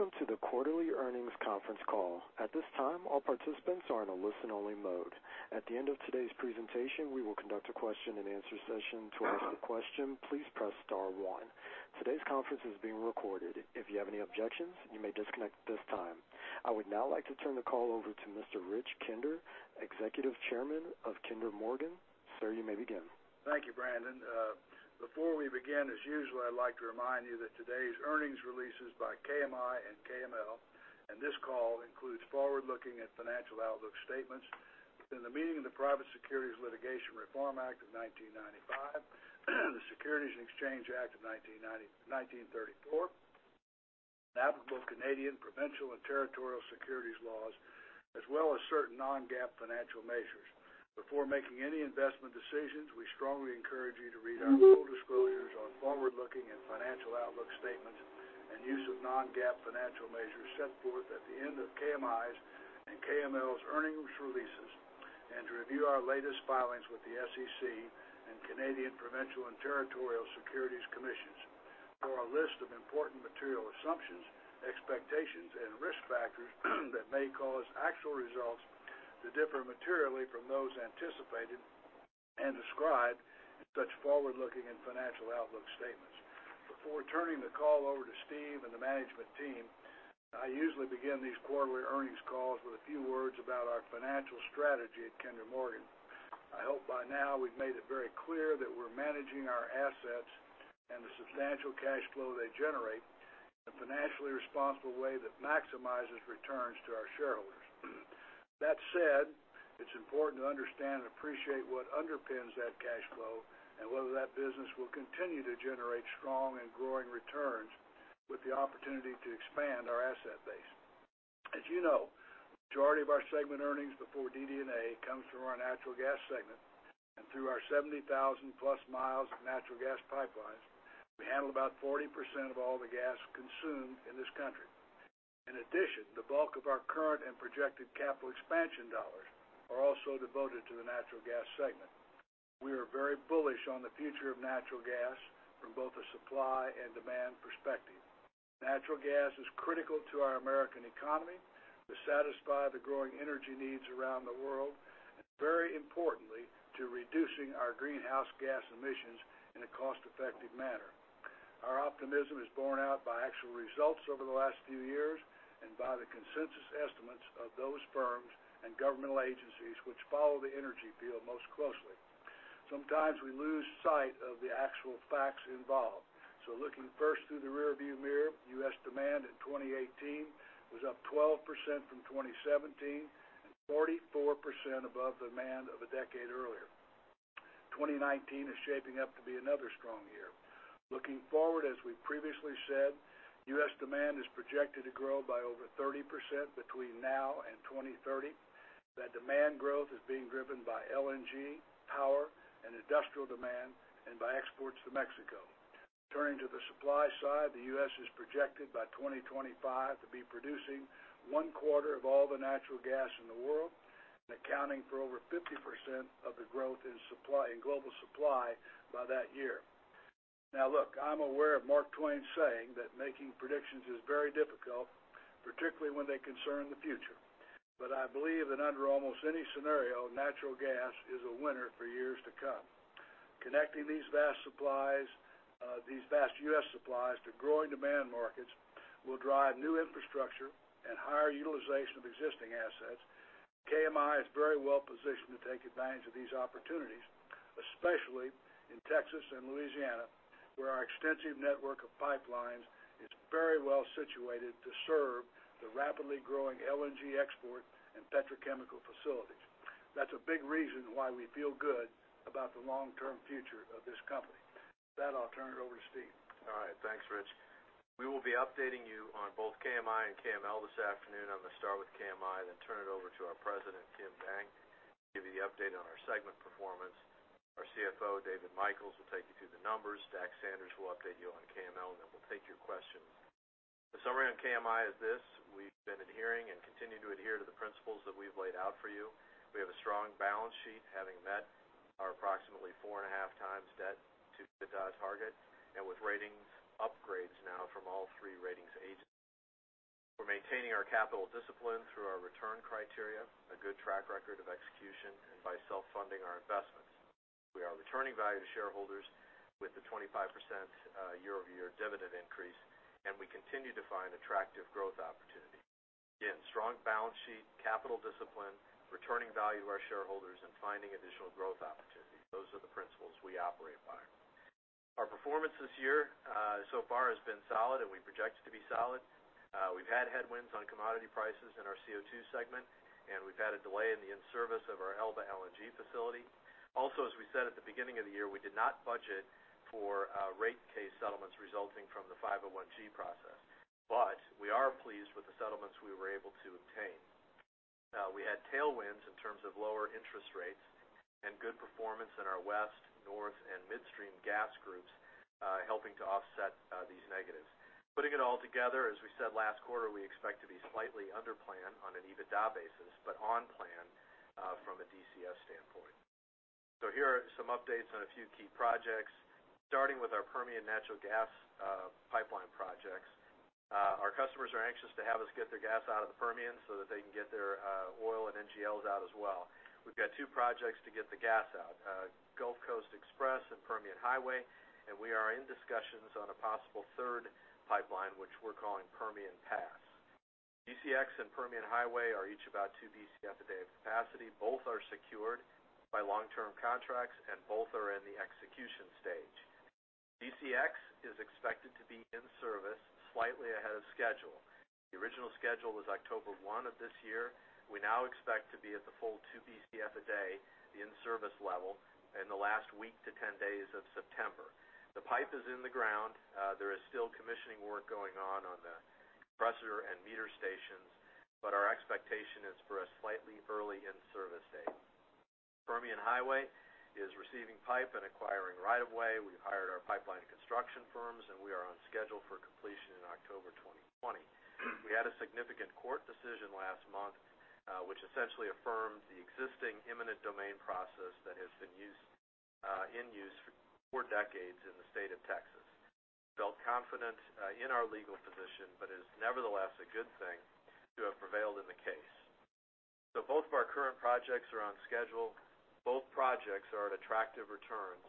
Welcome to the quarterly earnings conference call. At this time, all participants are in a listen-only mode. At the end of today's presentation, we will conduct a question and answer session. To ask a question, please press star one. Today's conference is being recorded. If you have any objections, you may disconnect at this time. I would now like to turn the call over to Mr. Rich Kinder, Executive Chairman of Kinder Morgan. Sir, you may begin. Thank you, Brandon. Before we begin, as usual, I'd like to remind you that today's earnings releases by KMI and KML, this call includes forward-looking and financial outlook statements within the meaning of the Private Securities Litigation Reform Act of 1995, the Securities and Exchange Act of 1934, and applicable Canadian provincial and territorial securities laws, as well as certain non-GAAP financial measures. Before making any investment decisions, we strongly encourage you to read our full disclosures on forward-looking and financial outlook statements and use of non-GAAP financial measures set forth at the end of KMI's and KML's earnings releases, to review our latest filings with the SEC and Canadian provincial and territorial securities commissions for a list of important material assumptions, expectations, and risk factors that may cause actual results to differ materially from those anticipated and described in such forward-looking and financial outlook statements. Before turning the call over to Steve and the management team, I usually begin these quarterly earnings calls with a few words about our financial strategy at Kinder Morgan. I hope by now we've made it very clear that we're managing our assets and the substantial cash flow they generate in a financially responsible way that maximizes returns to our shareholders. That said, it's important to understand and appreciate what underpins that cash flow and whether that business will continue to generate strong and growing returns with the opportunity to expand our asset base. As you know, the majority of our segment earnings before DD&A comes from our natural gas segment. Through our 70,000-plus miles of natural gas pipelines, we handle about 40% of all the gas consumed in this country. In addition, the bulk of our current and projected capital expansion dollars are also devoted to the natural gas segment. We are very bullish on the future of natural gas from both a supply and demand perspective. Natural gas is critical to our American economy, to satisfy the growing energy needs around the world, and very importantly, to reducing our greenhouse gas emissions in a cost-effective manner. Our optimism is borne out by actual results over the last few years and by the consensus estimates of those firms and governmental agencies which follow the energy field most closely. Looking first through the rearview mirror, U.S. demand in 2018 was up 12% from 2017 and 44% above demand of a decade earlier. 2019 is shaping up to be another strong year. Looking forward, as we previously said, U.S. demand is projected to grow by over 30% between now and 2030. That demand growth is being driven by LNG, power, and industrial demand, and by exports to Mexico. Turning to the supply side, the U.S. is projected by 2025 to be producing one quarter of all the natural gas in the world and accounting for over 50% of the growth in global supply by that year. Look, I'm aware of Mark Twain saying that making predictions is very difficult, particularly when they concern the future. I believe that under almost any scenario, natural gas is a winner for years to come. Connecting these vast U.S. supplies to growing demand markets will drive new infrastructure and higher utilization of existing assets. KMI is very well positioned to take advantage of these opportunities, especially in Texas and Louisiana, where our extensive network of pipelines is very well situated to serve the rapidly growing LNG export and petrochemical facilities. That's a big reason why we feel good about the long-term future of this company. With that, I'll turn it over to Steve. All right. Thanks, Rich. We will be updating you on both KMI and KML this afternoon. I'm going to start with KMI, then turn it over to our President, Kim Dang, to give you the update on our segment performance. Our CFO, David Michels, will take you through the numbers. Dax Sanders will update you on KML, and then we'll take your questions. The summary on KMI is this: we've been adhering and continue to adhere to the principles that we've laid out for you. We have a strong balance sheet, having met our approximately four and a half times debt to EBITDA target, and with ratings upgrades now from all three ratings agencies. We're maintaining our capital discipline through our return criteria, a good track record of execution, and by self-funding our investments. We are returning value to shareholders with the 25% year-over-year dividend increase. We continue to find attractive growth opportunities. Again, strong balance sheet, capital discipline, returning value to our shareholders, and finding additional growth opportunities. Those are the principles we operate by. Our performance this year so far has been solid. We project it to be solid. We've had headwinds on commodity prices in our CO2 segment. We've had a delay in the in-service of our Elba LNG facility. Also, as we said at the beginning of the year, we did not budget for rate case settlements resulting from the 501-G process. We are pleased with the settlements we were able to obtain. We had tailwinds in terms of lower interest rates and good performance in our West, North, and Midstream gas groups helping to offset these negatives. Putting it all together, as we said last quarter, we expect to be slightly under plan on an EBITDA basis, but on plan from a DCF standpoint. Here are some updates on a few key projects, starting with our Permian natural gas pipeline projects. Our customers are anxious to have us get their gas out of the Permian so that they can get their oil and NGLs out as well. We've got two projects to get the gas out, Gulf Coast Express and Permian Highway, and we are in discussions on a possible third pipeline, which we're calling Permian Pass. GCX and Permian Highway are each about 2 Bcf a day of capacity. Both are secured by long-term contracts and both are in the execution stage. GCX is expected to be in service slightly ahead of schedule. The original schedule was October 1 of this year. We now expect to be at the full 2 Bcf a day in service level in the last week to 10 days of September. The pipe is in the ground. There is still commissioning work going on on the compressor and meter stations, but our expectation is for a slightly early in-service date. Permian Highway is receiving pipe and acquiring right of way. We've hired our pipeline construction firms, and we are on schedule for completion in October 2020. We had a significant court decision last month, which essentially affirmed the existing eminent domain process that has been in use for four decades in the state of Texas. Felt confident in our legal position, but is nevertheless a good thing to have prevailed in the case. Both of our current projects are on schedule. Both projects are at attractive returns.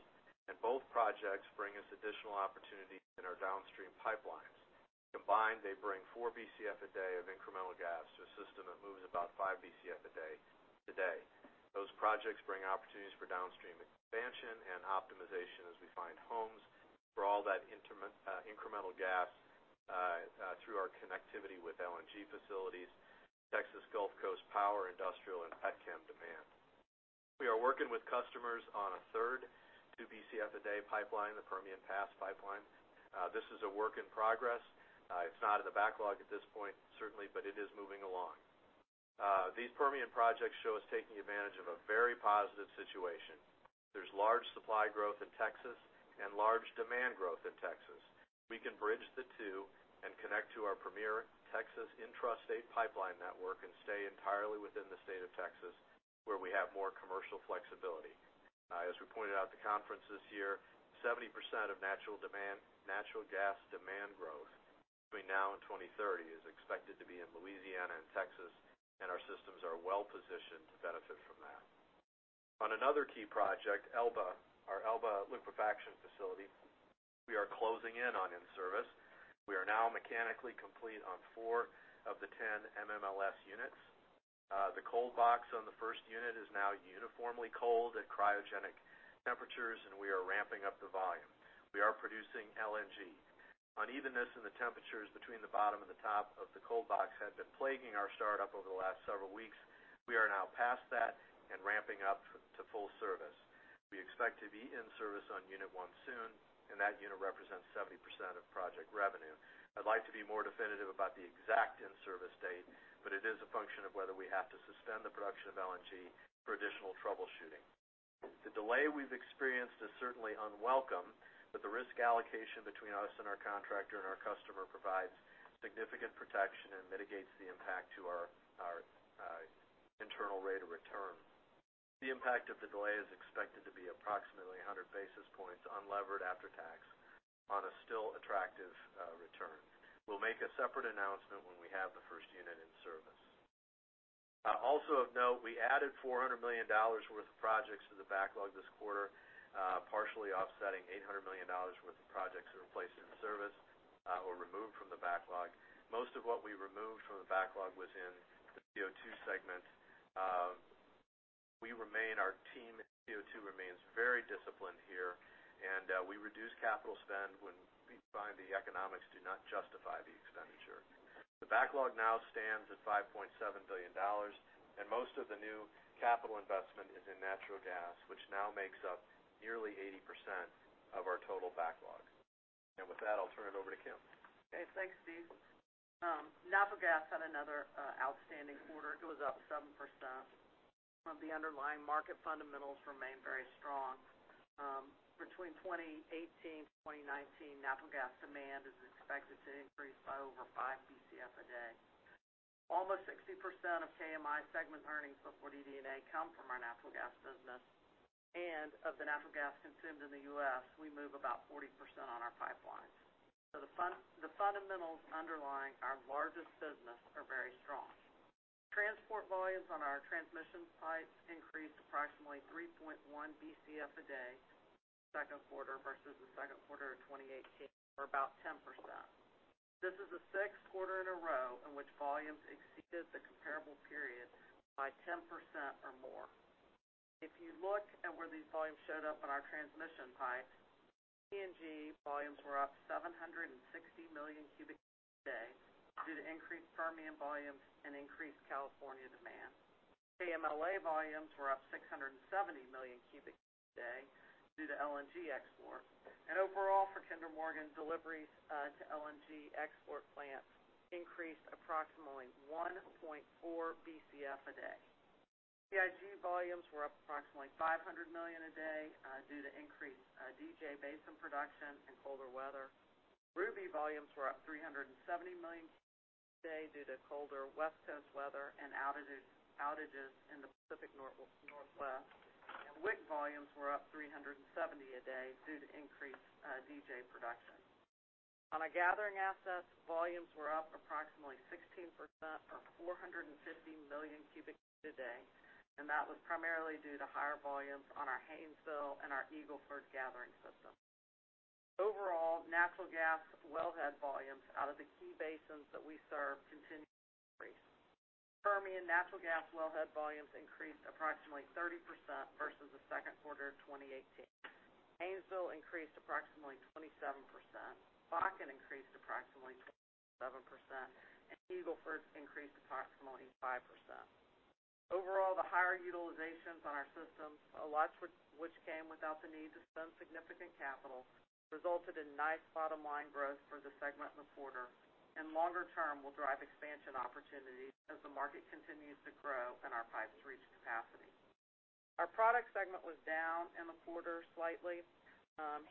Both projects bring us additional opportunity in our downstream pipelines. Combined, they bring 4 Bcf a day of incremental gas to a system that moves about 5 Bcf a day today. Those projects bring opportunities for downstream expansion and optimization as we find homes for all that incremental gas through our connectivity with LNG facilities, Texas Gulf Coast Power, industrial, and petchem demand. We are working with customers on a third 2 Bcf a day pipeline, the Permian Pass pipeline. This is a work in progress. It's not in the backlog at this point, certainly, but it is moving along. These Permian projects show us taking advantage of a very positive situation. There's large supply growth in Texas and large demand growth in Texas. We can bridge the two and connect to our premier Texas intrastate pipeline network and stay entirely within the state of Texas, where we have more commercial flexibility. As we pointed out at the conference this year, 70% of natural gas demand growth between now and 2030 is expected to be in Louisiana and Texas. Our systems are well-positioned to benefit from that. On another key project, Elba, our Elba liquefaction facility, we are closing in on in-service. We are now mechanically complete on four of the 10 MMLS units. The cold box on the first unit is now uniformly cold at cryogenic temperatures. We are ramping up the volume. We are producing LNG. Unevenness in the temperatures between the bottom and the top of the cold box had been plaguing our startup over the last several weeks. We are now past that and ramping up to full service. We expect to be in service on unit one soon, and that unit represents 70% of project revenue. I'd like to be more definitive about the exact in-service date, but it is a function of whether we have to suspend the production of LNG for additional troubleshooting. The delay we've experienced is certainly unwelcome, but the risk allocation between us and our contractor and our customer provides significant protection and mitigates the impact to our internal rate of return. The impact of the delay is expected to be approximately 100 basis points unlevered after tax on a still attractive return. We'll make a separate announcement when we have the first unit in service. Also of note, we added $400 million worth of projects to the backlog this quarter, partially offsetting $800 million worth of projects that were placed in service or removed from the backlog. Most of what we removed from the backlog was in the CO2 segment. Our team in CO2 remains very disciplined here, and we reduce capital spend when we find the economics do not justify the expenditure. The backlog now stands at $5.7 billion, and most of the new capital investment is in natural gas, which now makes up nearly 80% of our total backlog. With that, I'll turn it over to Kim. Okay. Thanks, Steve. Natural gas had another outstanding quarter. It was up 7%. The underlying market fundamentals remain very strong. Between 2018 to 2019, natural gas demand is expected to increase by over 5 Bcf a day. Almost 60% of KMI segment earnings before DD&A come from our natural gas business. Of the natural gas consumed in the U.S., we move about 40% on our pipelines. The fundamentals underlying our largest business are very strong. Transport volumes on our transmission pipes increased approximately 3.1 Bcf a day second quarter versus the second quarter of 2018, or about 10%. This is the sixth quarter in a row in which volumes exceeded the comparable period by 10% or more. If you look at where these volumes showed up on our transmission pipes, EPNG volumes were up 760 million cubic feet a day due to increased Permian volumes and increased California demand. KMLP volumes were up 670 million cubic feet a day due to LNG export. Overall for Kinder Morgan, deliveries to LNG export plants increased approximately 1.4 Bcf a day. CIG volumes were up approximately 500 million a day due to increased DJ Basin production and colder weather. Ruby volumes were up 370 million cubic feet a day due to colder West Coast weather and outages in the Pacific Northwest. WIC volumes were up 370 a day due to increased DJ production. On our gathering assets, volumes were up approximately 16%, or 450 million cubic feet a day. That was primarily due to higher volumes on our Haynesville and our Eagle Ford gathering system. Overall, natural gas wellhead volumes out of the key basins that we serve continued to increase. Permian natural gas wellhead volumes increased approximately 30% versus the second quarter of 2018. Haynesville increased approximately 27%. Bakken increased approximately 27%. Eagle Ford increased approximately 5%. Overall, the higher utilizations on our systems, a lot which came without the need to spend significant capital, resulted in nice bottom line growth for the segment in the quarter. Longer term will drive expansion opportunities as the market continues to grow and our pipes reach capacity. Our products segment was down in the quarter slightly.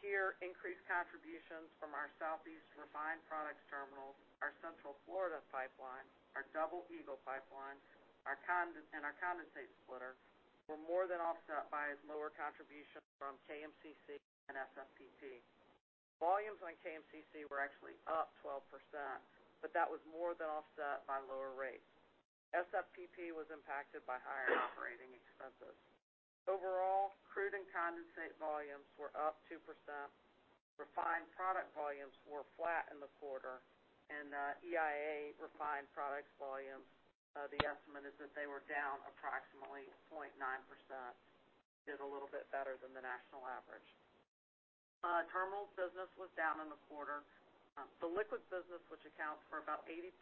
Here, increased contributions from our Southeast refined products terminals, our Central Florida Pipeline, our Double Eagle Pipeline, and our condensate splitter were more than offset by lower contribution from KMCC and SFPP. Volumes on KMCC were actually up 12%. That was more than offset by lower rates. SFPP was impacted by higher operating expenses. Overall, crude and condensate volumes were up 2%. Refined product volumes were flat in the quarter. EIA refined products volumes, the estimate is that they were down approximately 0.9%. Did a little bit better than the national average. Terminals business was down in the quarter. The liquids business, which accounts for about 80%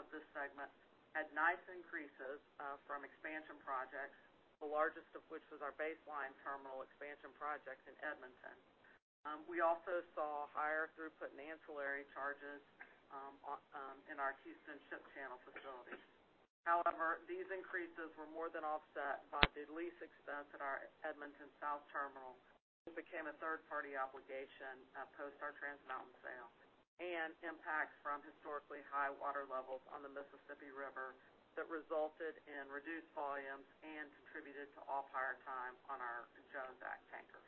of this segment, had nice increases from expansion projects, the largest of which was our Base Line Terminal expansion project in Edmonton. We also saw higher throughput and ancillary charges in our Houston Ship Channel facility. However, these increases were more than offset by the lease expense at our Edmonton South Terminal, which became a third-party obligation post our Trans Mountain sale, and impacts from historically high water levels on the Mississippi River that resulted in reduced volumes and contributed to off-hire time on our Jones Act tankers.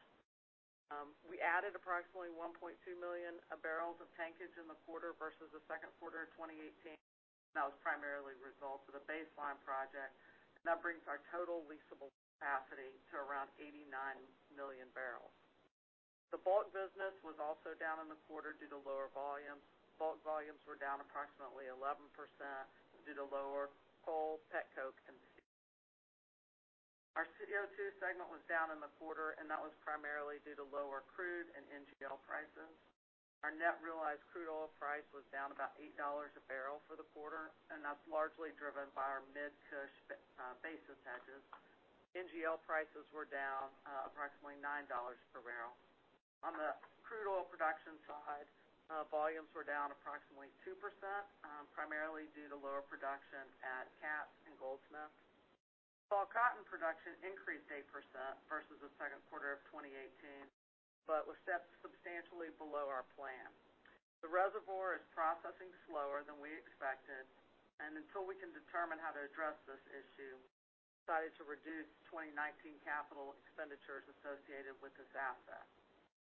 We added approximately 1.2 million barrels of tankage in the quarter versus the second quarter of 2018. That was primarily a result of the Base Line project. That brings our total leasable capacity to around 89 million barrels. The bulk business was also down in the quarter due to lower volumes. Bulk volumes were down approximately 11% due to lower coal, petcoke, and steel. Our CO2 segment was down in the quarter. That was primarily due to lower crude and NGL prices. Our net realized crude oil price was down about $8 a barrel for the quarter. That's largely driven by our MidCush basis hedges. NGL prices were down approximately $9 per barrel. On the crude oil production side, volumes were down approximately 2%, primarily due to lower production at Katz and Goldsmith. Tall Cotton production increased 8% versus the second quarter of 2018, but was substantially below our plan. The reservoir is processing slower than we expected. Until we can determine how to address this issue, we decided to reduce 2019 capital expenditures associated with this asset.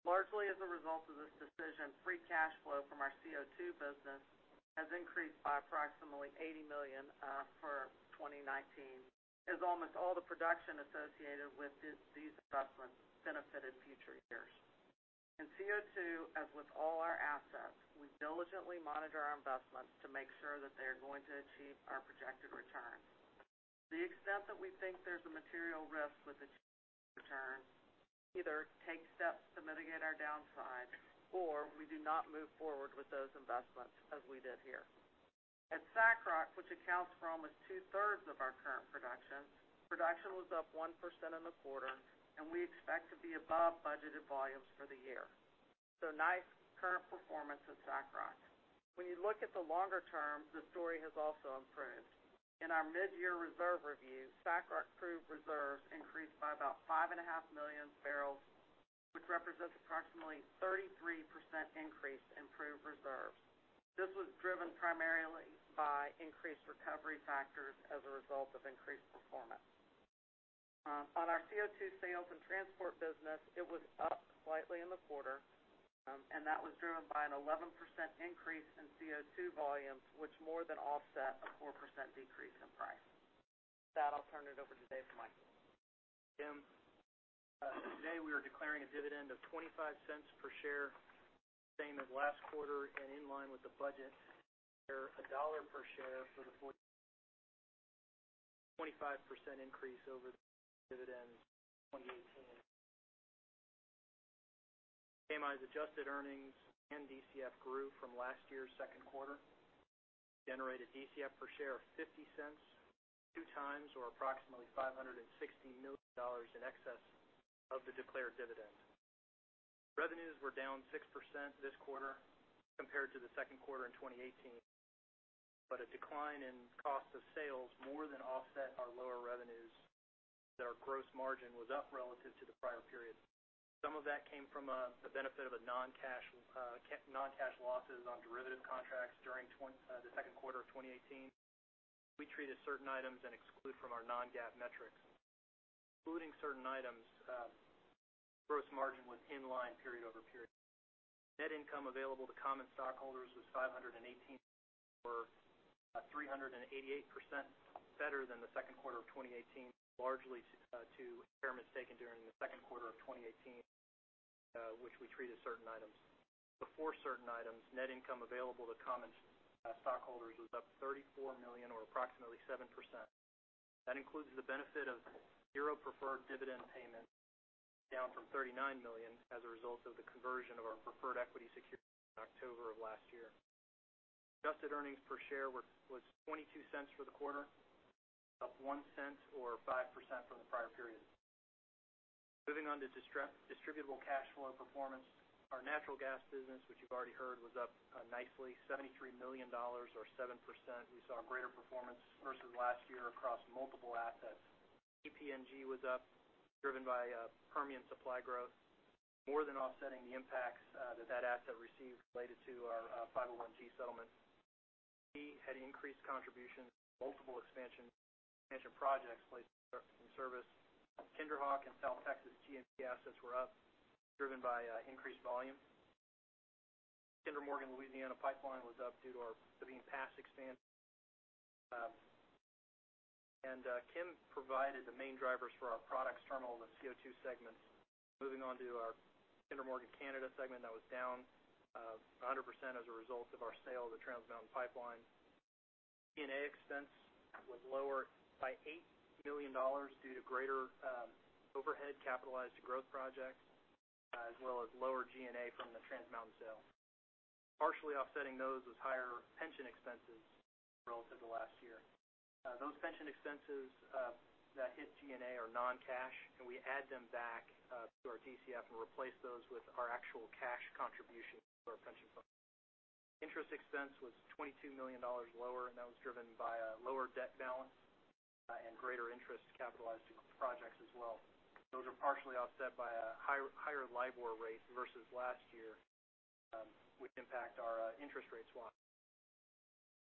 Largely as a result of this decision, free cash flow from our CO2 business has increased by approximately $80 million for 2019, as almost all the production associated with these investments benefit in future years. In CO2, as with all our assets, we diligently monitor our investments to make sure that they are going to achieve our projected returns. To the extent that we think there's a material risk with achieving those returns, we either take steps to mitigate our downside, or we do not move forward with those investments as we did here. At SACROC, which accounts for almost two-thirds of our current production was up 1% in the quarter, and we expect to be above budgeted volumes for the year. Nice current performance at SACROC. When you look at the longer term, the story has also improved. In our mid-year reserve review, SACROC proved reserves increased by about five and a half million barrels, which represents approximately 33% increase in proved reserves. This was driven primarily by increased recovery factors as a result of increased performance. On our CO2 sales and transport business, it was up slightly in the quarter, and that was driven by an 11% increase in CO2 volumes, which more than offset a 4% decrease in price. With that, I'll turn it over to David Michels. Kim. Today, we are declaring a dividend of $0.25 per share, same as last quarter and in line with the budget, for a total of $1 per share for the 25% increase over the dividend in 2018. KMI's adjusted earnings and DCF grew from last year's second quarter. We generated DCF per share of $0.50, 2x or approximately $560 million in excess of the declared dividend. Revenues were down 6% this quarter compared to the second quarter in 2018. A decline in cost of sales more than offset our lower revenues, our gross margin was up relative to the prior period. Some of that came from the benefit of non-cash losses on derivative contracts during the second quarter of 2018. We treated certain items and exclude from our non-GAAP metrics. Excluding certain items, gross margin was in line period over period. Net income available to common stockholders was $518 million, or 388% better than the second quarter of 2018, largely to impairments taken during the second quarter of 2018 which we treated certain items. Before certain items, net income available to common stockholders was up $34 million or approximately 7%. That includes the benefit of zero preferred dividend payments, down from $39 million as a result of the conversion of our preferred equity securities in October of last year. Adjusted earnings per share was $0.22 for the quarter, up $0.01 or 5% from the prior period. Moving on to distributable cash flow performance. Our natural gas business, which you've already heard, was up nicely, $73 million or 7%. We saw greater performance versus last year across multiple assets. EPNG was up, driven by Permian supply growth, more than offsetting the impacts that asset received related to our 501-G settlement. We had increased contributions from multiple expansion projects placed in service. KinderHawk and South Texas G&P assets were up, driven by increased volume. Kinder Morgan Louisiana Pipeline was up due to our Sabine Pass expansion. Kim provided the main drivers for our products terminal and CO2 segments. Moving on to our Kinder Morgan Canada segment, that was down 100% as a result of our sale of the Trans Mountain pipeline. G&A expense was lower by $8 million due to greater overhead capitalized to growth projects as well as lower G&A from the Trans Mountain sale. Partially offsetting those was higher pension expenses relative to last year. Those pension expenses that hit G&A are non-cash. We add them back to our DCF and replace those with our actual cash contribution to our pension fund. Interest expense was $22 million lower. That was driven by a lower debt balance and greater interest capitalized to projects as well. Those are partially offset by a higher LIBOR rate versus last year which impact our interest rates.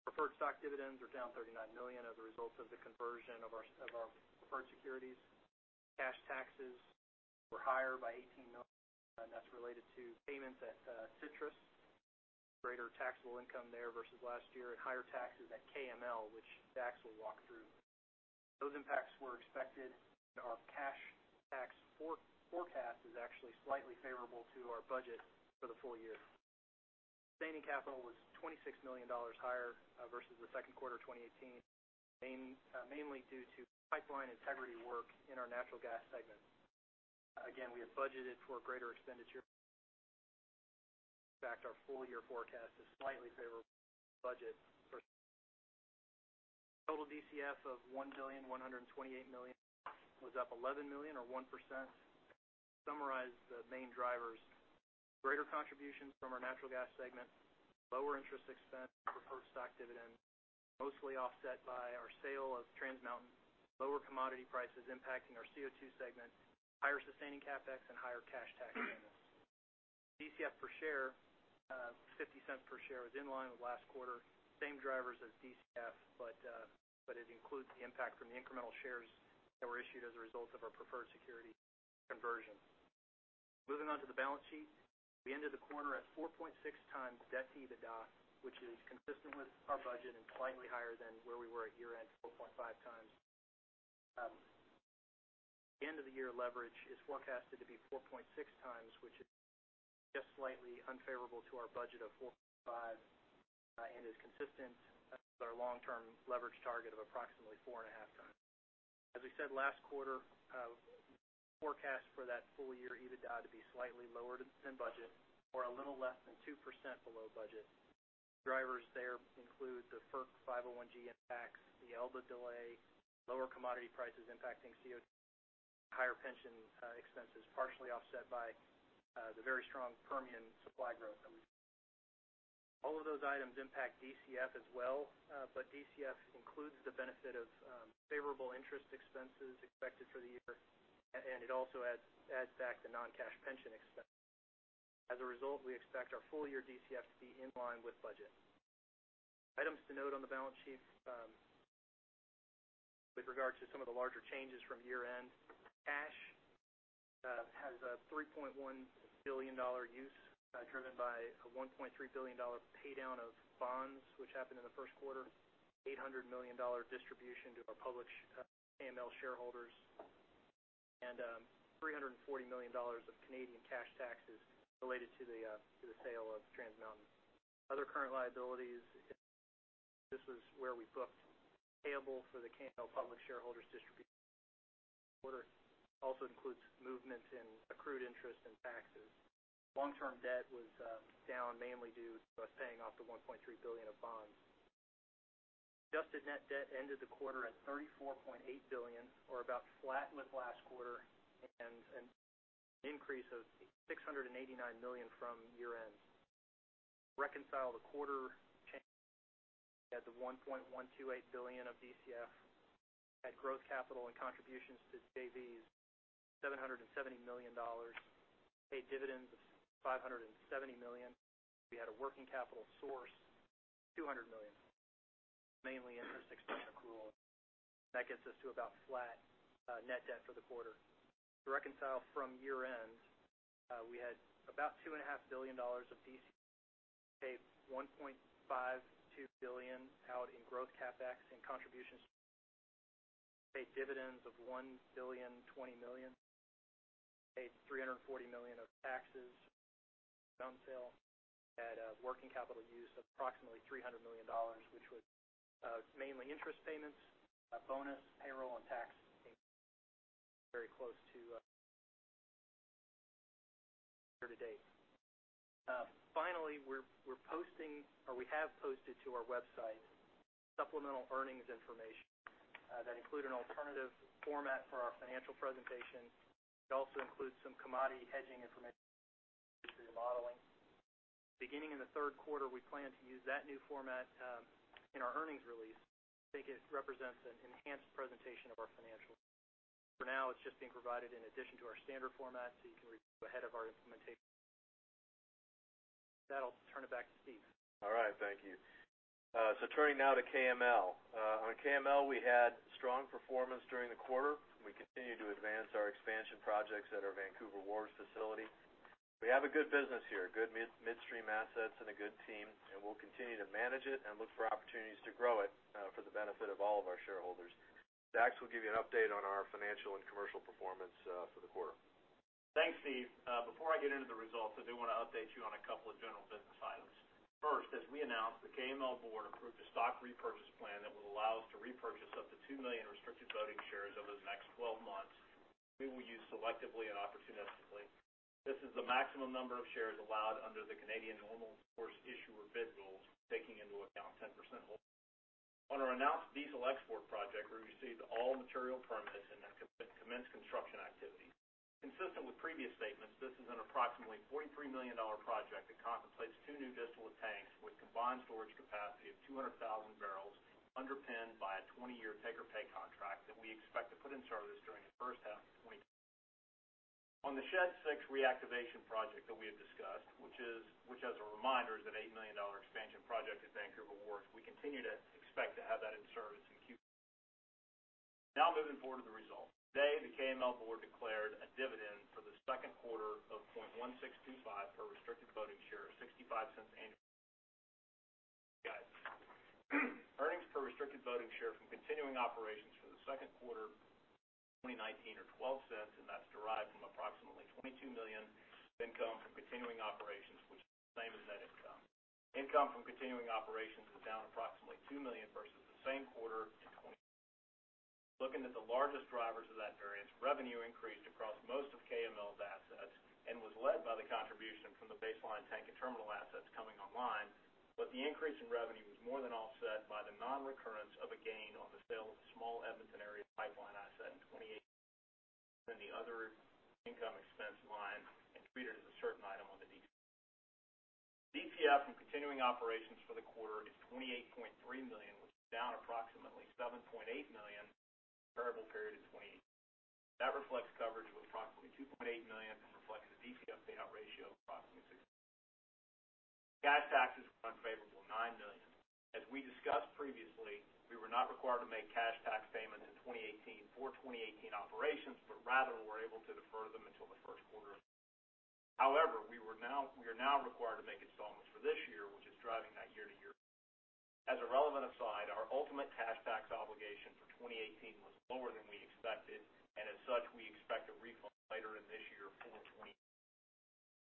Preferred stock dividends are down $39 million as a result of the conversion of our preferred securities. Cash taxes were higher by $18 million. That's related to payments at Citrus, greater taxable income there versus last year, higher taxes at KML, which Dax will walk through. Those impacts were expected. Our cash tax forecast is actually slightly favorable to our budget for the full year. Sustaining capital was $26 million higher versus the second quarter 2018, mainly due to pipeline integrity work in our natural gas segment. We had budgeted for greater expenditure. In fact, our full-year forecast is slightly favorable to budget. Total DCF of $1,128,000 was up $11 million or 1%. To summarize the main drivers, greater contributions from our natural gas segment, lower interest expense, preferred stock dividend, mostly offset by our sale of Trans Mountain, lower commodity prices impacting our CO2 segment, higher sustaining CapEx, higher cash tax payments. DCF per share of $0.50 per share was in line with last quarter. Same drivers as DCF, but it includes the impact from the incremental shares that were issued as a result of our preferred security conversion. Moving on to the balance sheet. We ended the quarter at 4.6x debt to EBITDA, which is consistent with our budget slightly higher than where we were at year-end, 4.5x. End-of-the-year leverage is forecasted to be 4.6x, which is just slightly unfavorable to our budget of 4.5x and is consistent with our long-term leverage target of approximately 4.5x. As we said last quarter, forecast for that full year EBITDA to be slightly lower than budget or a little less than 2% below budget. Drivers there include the FERC 501-G impacts, the Elba LNG delay, lower commodity prices impacting CO2, higher pension expenses partially offset by the very strong Permian supply growth that we saw. All of those items impact DCF as well. DCF includes the benefit of favorable interest expenses expected for the year. It also adds back the non-cash pension expense. As a result, we expect our full-year DCF to be in line with budget. Items to note on the balance sheet with regards to some of the larger changes from year-end. Cash has a $3.1 billion use driven by a $1.3 billion pay-down of bonds, which happened in the first quarter, $800 million distribution to our public KML shareholders, and $340 million of Canadian cash taxes related to the sale of Trans Mountain. Other current liabilities, this was where we booked payable for the KML public shareholders distribution. Also includes movements in accrued interest and taxes. Long-term debt was down mainly due to us paying off the $1.3 billion of bonds. Adjusted net debt ended the quarter at $34.8 billion, or about flat with last quarter and an increase of $689 million from year-end. To reconcile the quarter change, we had the $1.128 billion of DCF, had growth capital and contributions to JVs, $770 million, paid dividends of $570 million. We had a working capital source, $200 million, mainly interest expense accrual. That gets us to about flat net debt for the quarter. To reconcile from year-end, we had about $2.5 billion of DCF, paid $1.52 billion out in growth CapEx and contributions, paid dividends of $1 billion, $20 million, paid $340 million of taxes, down sale, and a working capital use of approximately $300 million, which was mainly interest payments, bonus, payroll, and tax payments. Very close to year-to-date. Finally, we're posting or we have posted to our website supplemental earnings information that include an alternative format for our financial presentation. It also includes some commodity hedging information for your modeling. Beginning in the third quarter, we plan to use that new format in our earnings release. I think it represents an enhanced presentation of our financials. For now, it's just being provided in addition to our standard format, so you can review ahead of our implementation. With that, I'll turn it back to Steve. All right. Thank you. So turning now to KML. On KML, we had strong performance during the quarter, and we continue to advance our expansion projects at our Vancouver Wharves facility. We have a good business here, good midstream assets and a good team, and we'll continue to manage it and look for opportunities to grow it for the benefit of all of our shareholders. Dax will give you an update on our financial and commercial performance for the quarter. Thanks, Steve. Before I get into the results, I do want to update you on a couple of general business items. First, as we announced, the KML board approved a stock repurchase plan that will allow us to repurchase up to 2 million restricted voting shares over the next 12 months. We will use selectively and opportunistically. This is the maximum number of shares allowed under the Canadian Normal Course Issuer Bid rules, taking into account 10% hold. On our announced diesel export project, we received all material permits and have commenced construction activity. Consistent with previous statements, this is an approximately $43 million project that contemplates two new distillate tanks with combined storage capacity of 200,000 barrels, underpinned by a 20-year take-or-pay contract that we expect to put in service during the first half of 2020. On the Shed 6 reactivation project that we have discussed, which as a reminder, is an $8 million expansion project at Vancouver Wharves, we continue to expect to have that in service in Q4. Moving forward to the results. Today, the KML board declared a dividend for the second quarter of $0.1625 per restricted voting share, $0.65 annually. Earnings per restricted voting share from continuing operations for the second quarter of 2019 are $0.12, and that's derived from approximately $22 million income from continuing operations, which is the same as net income. Income from continuing operations is down approximately $2 million versus the same quarter in 2018. Looking at the largest drivers of that variance, revenue increased across most of KML's assets and was led by the contribution from the Base line tank and terminal assets coming online. The increase in revenue was more than offset by the non-recurrence of a gain on the sale of a small Edmonton area pipeline asset in 2018. In the other income expense line and treated as a certain item on the DCF. DCF from continuing operations for the quarter is $28.3 million, which is down approximately $7.8 million from the comparable period in 2018. That reflects coverage of approximately $2.8 million and reflects a DCF payout ratio of approximately 60. Cash taxes were unfavorable, $9 million. As we discussed previously, we were not required to make cash tax payments in 2018 for 2018 operations, but rather were able to defer them until the first quarter of 2019. We are now required to make installments for this year, which is driving that year-to-year. As a relevant aside, our ultimate cash tax obligation for 2018 was lower than we expected, and as such, we expect a refund later in this year for 2018.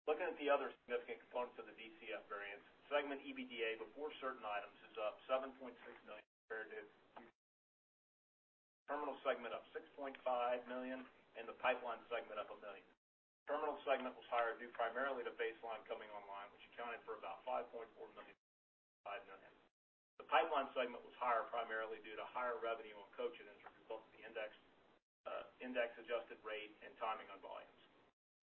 Looking at the other significant components of the DCF variance, segment EBITDA before certain items is up $7.6 million comparative. Terminal segment up $6.5 million and the pipeline segment up $1 million. Terminal segment was higher due primarily to Base line coming online, which accounted for about $5.4 million. The pipeline segment was higher primarily due to higher revenue on Cochin and Trans Mountain, both the index-adjusted rate and timing on volumes.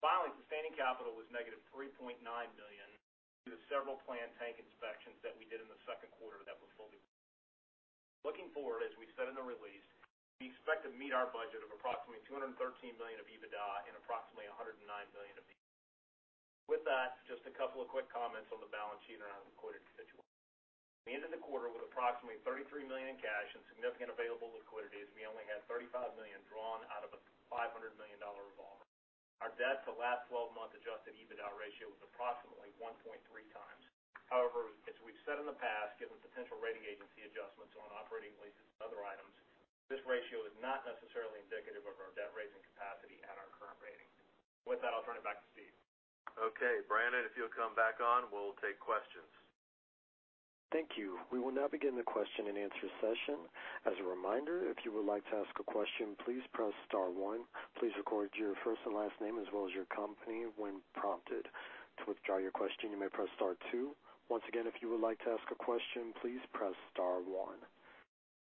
Finally, sustaining capital was negative $3.9 million due to several planned tank inspections that we did in the second quarter that were fully. Looking forward, as we said in the release, we expect to meet our budget of approximately $213 million of EBITDA and approximately $109 million of DCF. With that, just a couple of quick comments on the balance sheet around liquidity situation. We ended the quarter with approximately $33 million in cash and significant available liquidity as we only had $35 million drawn out of a $500 million revolver. Our debt to last 12-month adjusted EBITDA ratio was approximately 1.3x. However, as we've said in the past, given potential rating agency adjustments on operating leases and other items, this ratio is not necessarily indicative of our debt-raising capacity at our current rating. With that, I'll turn it back to Steve. Okay, Brandon, if you'll come back on, we'll take questions. Thank you. We will now begin the question and answer session. As a reminder, if you would like to ask a question, please press star one. Please record your first and last name as well as your company when prompted. To withdraw your question, you may press star two. Once again, if you would like to ask a question, please press star one.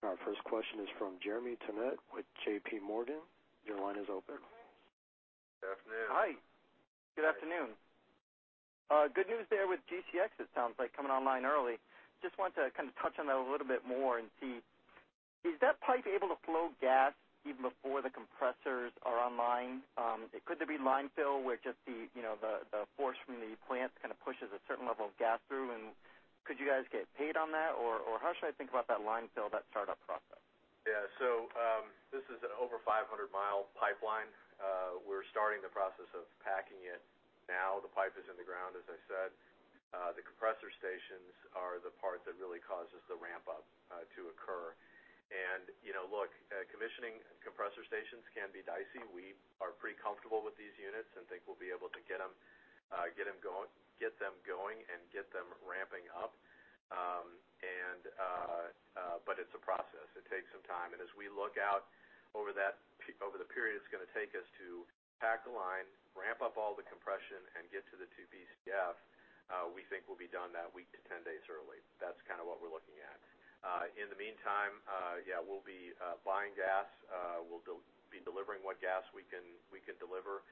Our first question is from Jeremy Tonet with J.P. Morgan. Your line is open. Good afternoon. Hi, good afternoon. Good news there with GCX, it sounds like, coming online early. Wanted to touch on that a little bit more and see, is that pipe able to flow gas even before the compressors are online? Could there be line fill where just the force from the plant pushes a certain level of gas through? Could you guys get paid on that? How should I think about that line fill, that startup process? Yeah. This is an over 500-mile pipeline. We're starting the process of packing it now. The pipe is in the ground, as I said. The compressor stations are the part that really causes the ramp up to occur. Look, commissioning compressor stations can be dicey. We are pretty comfortable with these units and think we'll be able to get them going and get them ramping up. It's a process. It takes some time. As we look out over the period it's going to take us to pack the line, ramp up all the compression, and get to the 2 Bcf, we think we'll be done that week to 10 days early. That's what we're looking at. In the meantime, yeah, we'll be buying gas. We'll be delivering what gas we can deliver.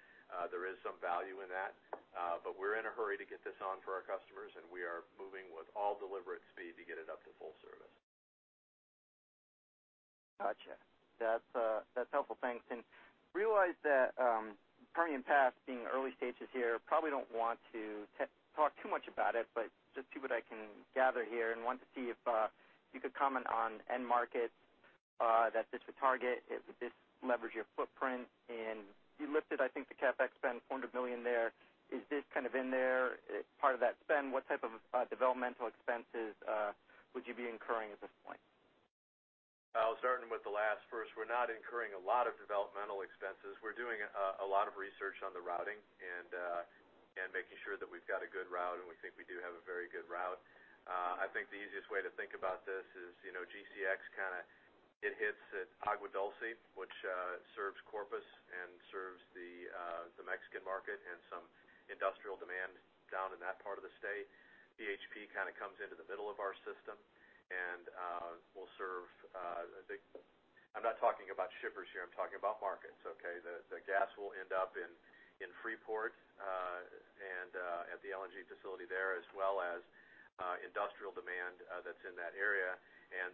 There is some value in that. We're in a hurry to get this on for our customers, and we are moving with all deliberate speed to get it up to full service. Gotcha. That's helpful. Thanks. Realize that Permian Pass being early stages here, probably don't want to talk too much about it, but just see what I can gather here and want to see if you could comment on end markets that this would target, if this levers your footprint. You listed, I think, the CapEx spend, $400 million there. Is this kind of in there, part of that spend? What type of developmental expenses would you be incurring at this point? I'll starting with the last first. We're not incurring a lot of developmental expenses. We're doing a lot of research on the routing and making sure that we've got a good route, and we think we do have a very good route. I think the easiest way to think about this is GCX hits at Agua Dulce, which serves Corpus and serves the Mexican market and some industrial demand down in that part of the state. PHP kind of comes into the middle of our system and will serve, I'm not talking about shippers here, I'm talking about markets, okay? The gas will end up in Freeport at the LNG facility there, as well as industrial demand that's in that area.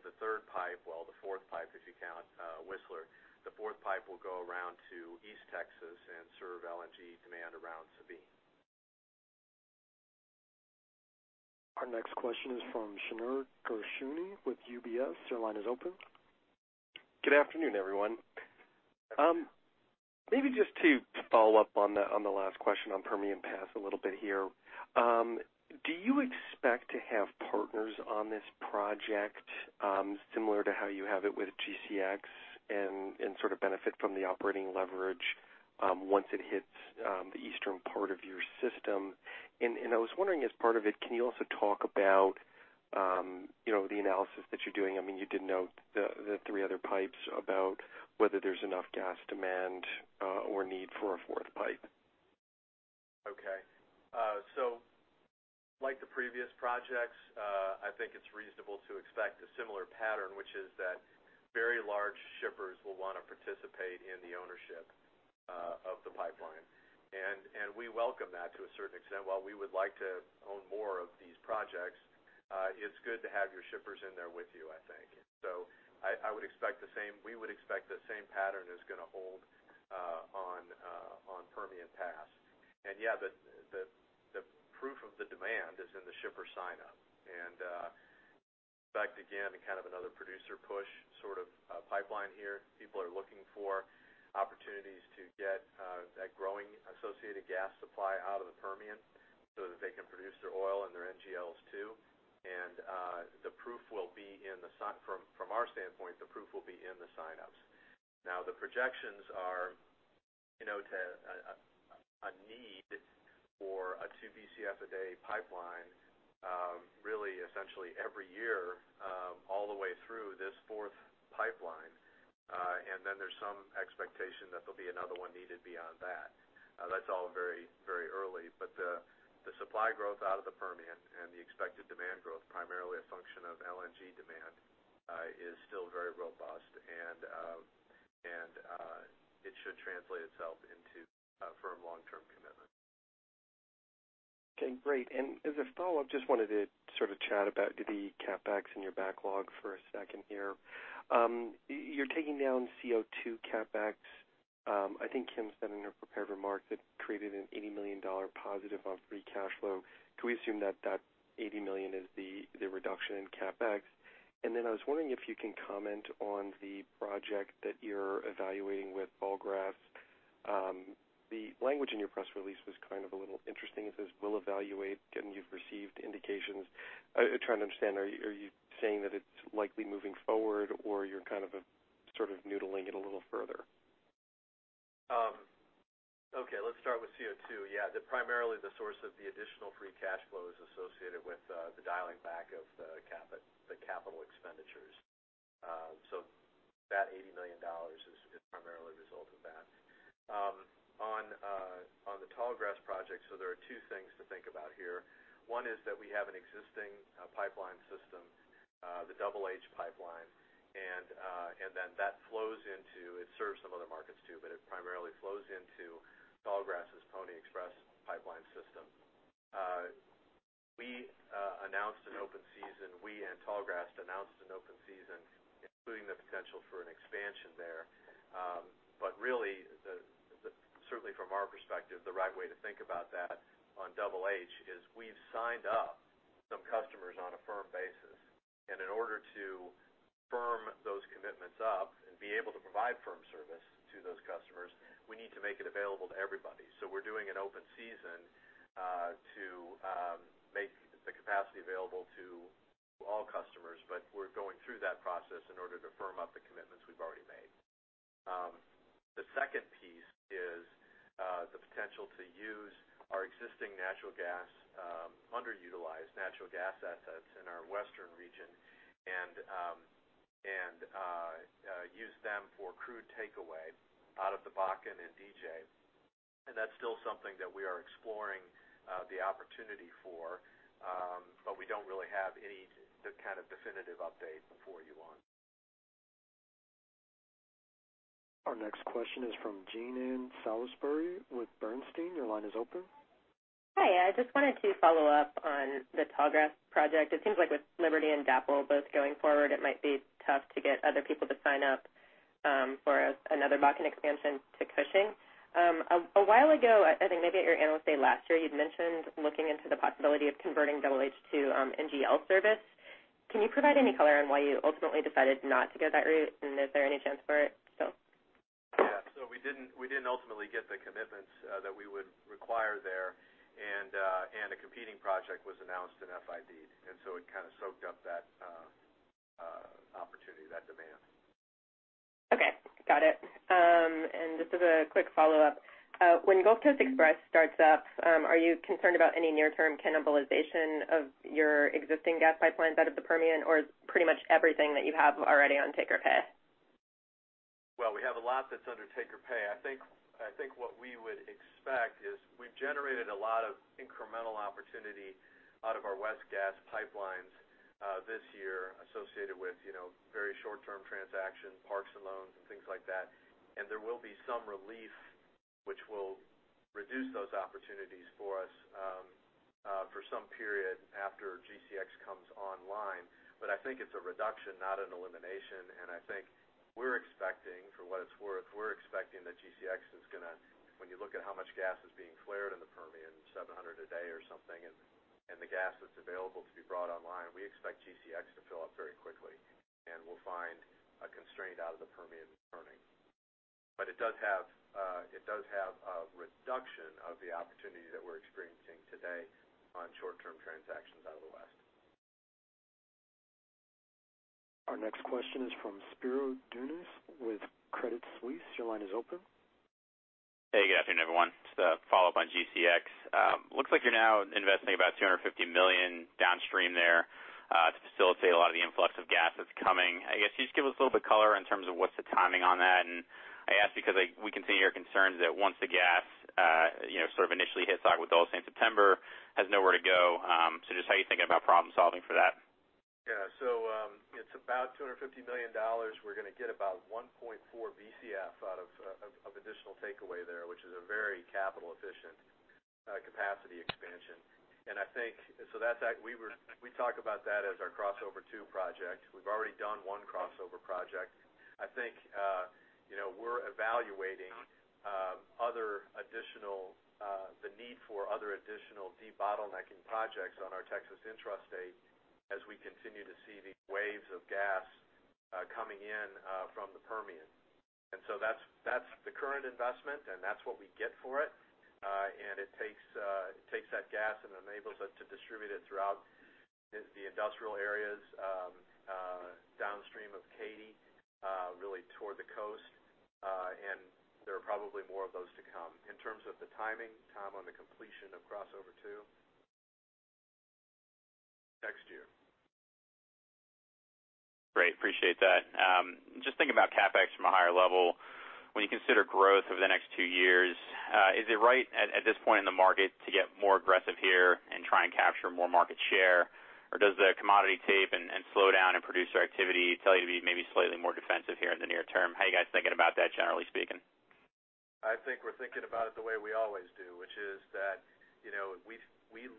The third pipe, well, the fourth pipe, if you count Whistler. The fourth pipe will go around to East Texas and serve LNG demand around Sabine. Our next question is from Shneur Gershuni with UBS. Your line is open. Good afternoon, everyone. Good afternoon. To follow up on the last question on Permian Pass a little bit here. Do you expect to have partners on this project similar to how you have it with GCX, and sort of benefit from the operating leverage once it hits the eastern part of your system? I was wondering as part of it, can you also talk about the analysis that you're doing? You did note the three other pipes about whether there's enough gas demand or need for a fourth pipe. Like the previous projects, I think it's reasonable to expect a similar pattern, which is that very large shippers will want to participate in the ownership of the pipeline. We welcome that to a certain extent. While we would like to own more of these projects, it's good to have your shippers in there with you, I think. We would expect the same pattern is going to hold on Permian Pass. The proof of the demand is in the shipper sign-up. In fact, again, kind of another producer push sort of pipeline here. People are looking for opportunities to get that growing associated gas supply out of the Permian so that they can produce their oil and their NGLs too. From our standpoint, the proof will be in the sign-ups. The projections are to a need for a 2 Bcf a day pipeline really essentially every year all the way through this fourth pipeline. Then there's some expectation that there'll be another one needed beyond that. That's all very early, but the supply growth out of the Permian and the expected demand growth, primarily a function of LNG demand, is still very robust, and it should translate itself into firm long-term commitment. As a follow-up, just wanted to sort of chat about the CapEx in your backlog for a second here. You're taking down CO2 CapEx. I think Kim said in her prepared remarks it created an $80 million positive on free cash flow. Can we assume that that $80 million is the reduction in CapEx? I was wondering if you can comment on the project that you're evaluating with Tallgrass. The language in your press release was kind of a little interesting. It says, "We'll evaluate," and you've received indications. I'm trying to understand, are you saying that it's likely moving forward or you're kind of sort of noodling it a little further? Okay, let's start with CO2. Yeah, primarily the source of the additional free cash flow is associated with the dialing back of the capital expenditures. That $80 million is primarily a result of that. On the Tallgrass project, there are two things to think about here. One is that we have an existing pipeline system, the Double H pipeline. That flows into It serves some other markets too, but it primarily flows into Tallgrass' Pony Express pipeline system. We announced an open season, we and Tallgrass announced an open season, including the potential for an expansion there. Really, certainly from our perspective, the right way to think about that on Double H is we've signed up some customers on a firm basis. In order to firm those commitments up and be able to provide firm service to those customers, we need to make it available to everybody. We're doing an open season to make the capacity available to all customers, but we're going through that process in order to firm up the commitments we've already made. The second piece is the potential to use our existing natural gas, underutilized natural gas assets in our western region and use them for crude takeaway out of the Bakken and DJ. That's still something that we are exploring the opportunity for, but we don't really have any kind of definitive update for you on. Our next question is from Jean Ann Salisbury with Bernstein. Your line is open. Hi. I just wanted to follow up on the Tallgrass project. It seems like with Liberty and DAPL both going forward, it might be tough to get other people to sign up for another Bakken expansion to Cushing. A while ago, I think maybe at your Analyst Day last year, you'd mentioned looking into the possibility of converting Double H to NGL service. Can you provide any color on why you ultimately decided not to go that route, and is there any chance for it still? Yeah. We didn't ultimately get the commitments that we would require there, a competing project was announced and FID-ed. It kind of soaked up that opportunity, that demand. Okay. Got it. Just as a quick follow-up. When Gulf Coast Express starts up, are you concerned about any near-term cannibalization of your existing gas pipelines out of the Permian, or is pretty much everything that you have already on take or pay? Well, we have a lot that's under take or pay. What we would expect is we've generated a lot of incremental opportunity out of our West gas pipelines this year associated with very short-term transactions, parks and loans and things like that. There will be some relief which will reduce those opportunities for us for some period after GCX comes online. I think it's a reduction, not an elimination, we're expecting, for what it's worth, we're expecting that GCX is going to, when you look at how much gas is being flared in the Permian, 700 a day or something, and the gas that's available to be brought online, we expect GCX to fill up very quickly. We'll find a constraint out of the Permian turning. It does have a reduction of the opportunity that we're experiencing today on short-term transactions out of the West. Our next question is from Spiro Dounis with Credit Suisse. Your line is open. Hey. Good afternoon, everyone. Just a follow-up on GCX. Looks like you're now investing about $250 million downstream there to facilitate a lot of the influx of gas that's coming. I ask because we continue your concerns that once the gas sort of initially hits Agua Dulce in September, has nowhere to go. Just how are you thinking about problem-solving for that? Yeah. It's about $250 million. We're going to get about 1.4 Bcf out of additional takeaway there, which is a very capital-efficient capacity expansion. We talk about that as our Crossover 2 project. We've already done one Crossover project. I think we're evaluating the need for other additional debottlenecking projects on our Texas intrastate as we continue to see these waves of gas coming in from the Permian. That's the current investment, and that's what we get for it. It takes that gas and enables it to distribute it throughout the industrial areas downstream of Katy really toward the coast. There are probably more of those to come. In terms of the timing, Tom, on the completion of Crossover 2? Next year. Great. Appreciate that. Just thinking about CapEx from a higher level. When you consider growth over the next two years, is it right at this point in the market to get more aggressive here and try and capture more market share? Does the commodity tape and slow down in producer activity tell you to be maybe slightly more defensive here in the near term? How are you guys thinking about that, generally speaking? We're thinking about it the way we always do, which is that we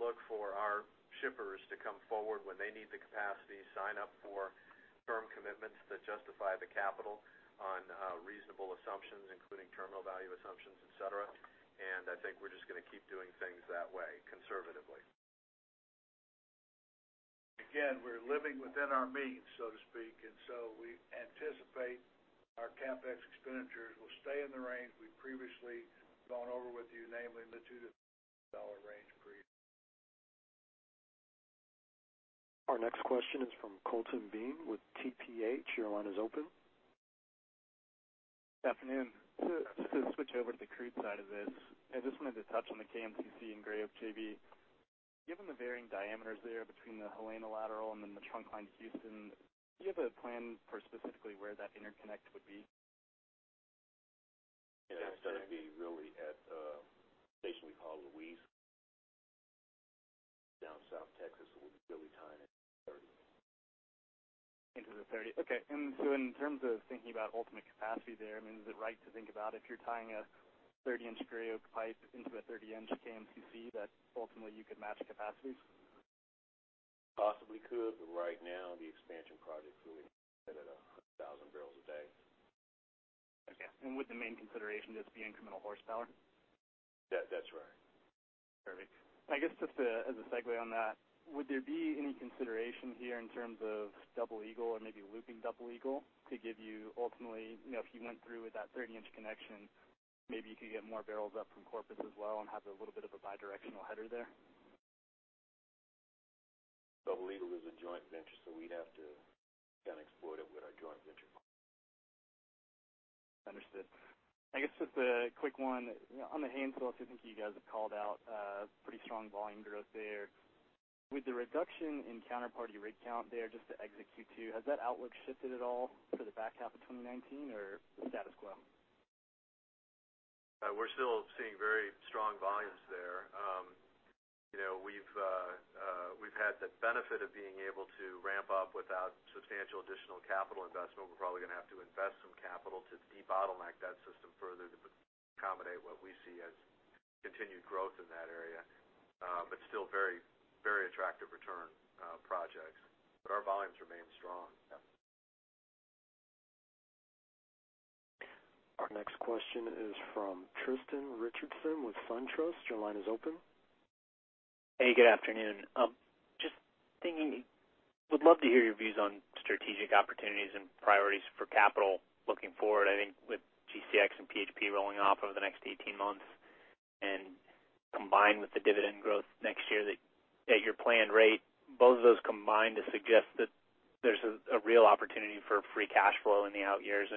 look for our shippers to come forward when they need the capacity, sign up for firm commitments that justify the capital on reasonable assumptions, including terminal value assumptions, et cetera. I think we're just going to keep doing things that way, conservatively. Again, we're living within our means, so to speak, so we anticipate our CapEx expenditures will stay in the range we've previously gone over with you, namely in the $2billion-$3billion range per year. Our next question is from Colton Bean with TPH. Your line is open. Good afternoon. To switch over to the crude side of this, I just wanted to touch on the KMCC and Gray Oak JV. Given the varying diameters there between the Helena lateral and then the trunk line to Houston, do you have a plan for specifically where that interconnect would be? Yeah. It's going to be really at a station we call Louise down in South Texas, where we'll be really tying into the 30. Into the 30. Okay. In terms of thinking about ultimate capacity there, is it right to think about if you're tying a 30-inch Gray Oak pipe into a 30-inch KMCC, that ultimately you could match capacities? Possibly could, right now the expansion projects really sit at 100,000 barrels a day. Okay. Would the main consideration just be incremental horsepower? That's right. Perfect. I guess just as a segue on that, would there be any consideration here in terms of Double Eagle or maybe looping Double Eagle to give you ultimately, if you went through with that 30-inch connection, maybe you could get more barrels up from Corpus as well and have a little bit of a bidirectional header there? Double Eagle is a joint venture, so we'd have to explore it with our joint venture. Understood. Just a quick` one. On the Haynesville Shale, I think you guys have called out pretty strong volume growth there. With the reduction in counterparty rig count there just to exit Q2, has that outlook shifted at all for the back half of 2019 or status quo? We're still seeing very strong volumes there. We've had the benefit of being able to ramp up without substantial additional capital investment. We're probably going to have to invest some capital to debottleneck that system further to accommodate what we see as continued growth in that area. Still very attractive return projects. Our volumes remain strong. Yeah. Our next question is from Tristan Richardson with SunTrust. Your line is open. Hey, good afternoon. Just thinking, would love to hear your views on strategic opportunities and priorities for capital looking forward. I think with GCX and PHP rolling off over the next 18 months and combined with the dividend growth next year at your planned rate, both of those combine to suggest that there's a real opportunity for free cash flow in the out years.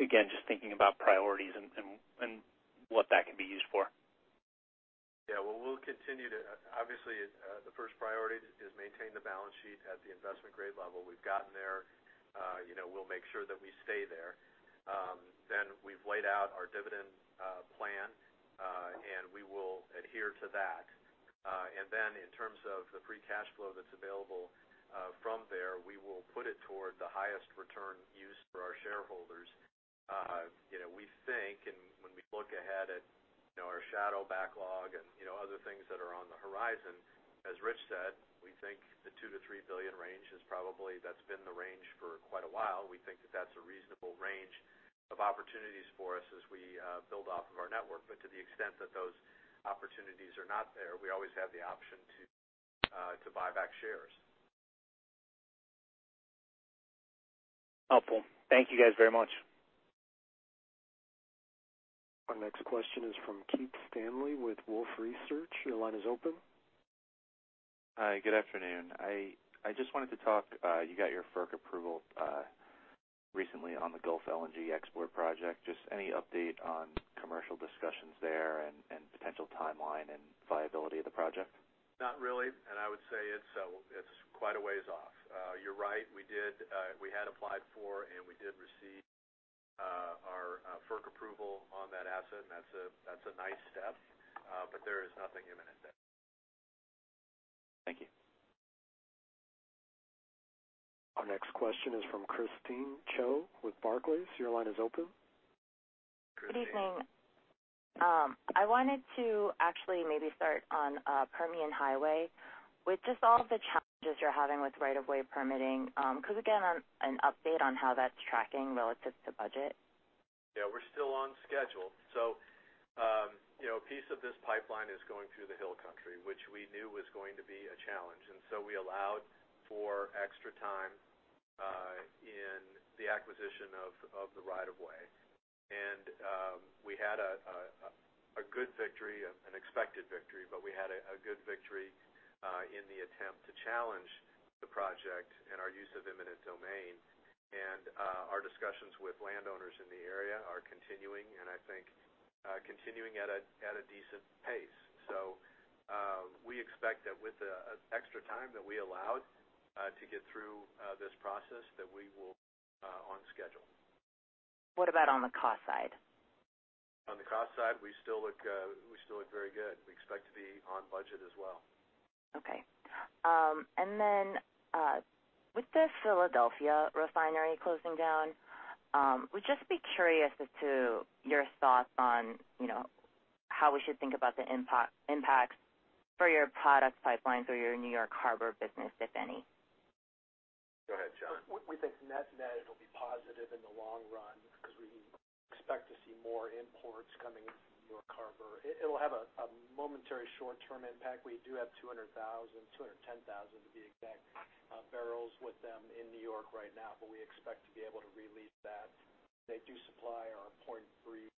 Again, just thinking about priorities and what that can be used for. Yeah. Obviously, the first priority is maintain the balance sheet at the investment grade level. We've gotten there. We'll make sure that we stay there. We've laid out our dividend plan, and we will adhere to that. In terms of the free cash flow that's available from there, we will put it toward the highest return use for our shareholders. We think, and when we look ahead at our shadow backlog and other things that are on the horizon, as Rich said, we think the $2 billion-$3 billion range is probably that's been the range for quite a while. We think that that's a reasonable range of opportunities for us as we build off of our network. To the extent that those opportunities are not there, we always have the option to buy back shares. Helpful. Thank you guys very much. Our next question is from Keith Stanley with Wolfe Research. Your line is open. Hi, good afternoon. I just wanted to talk, you got your FERC approval recently on the Gulf LNG export project. Just any update on commercial discussions there and potential timeline and viability of the project? Not really, and I would say it's quite a ways off. You're right, we had applied for and we did receive our FERC approval on that asset, and that's a nice step. There is nothing imminent there. Thank you. Our next question is from Christine Cho with Barclays. Your line is open. Christine. Good evening. I wanted to actually maybe start on Permian Highway. With just all of the challenges you're having with right of way permitting, could we get an update on how that's tracking relative to budget? Yeah, we're still on schedule. A piece of this pipeline is going through the Hill Country, which we knew was going to be a challenge. We allowed for extra time in the acquisition of the right of way. We had a good victory, an expected victory, but we had a good victory in the attempt to challenge the project and our use of eminent domain. Our discussions with landowners in the area are continuing, and I think continuing at a decent pace. We expect that with the extra time that we allowed to get through this process, that we will be on schedule. What about on the cost side? On the cost side, we still look very good. We expect to be on budget as well. Okay. With the Philadelphia refinery closing down, would just be curious as to your thoughts on how we should think about the impacts for your product pipelines or your New York Harbor business, if any. Go ahead, John. We think net-net it'll be positive in the long run because we expect to see more imports coming into New York Harbor. It'll have a momentary short-term impact. We do have 200,000, 210,000 to be exact, barrels with them in New York right now, but we expect to be able to release that. They do supply [a Point Breeze]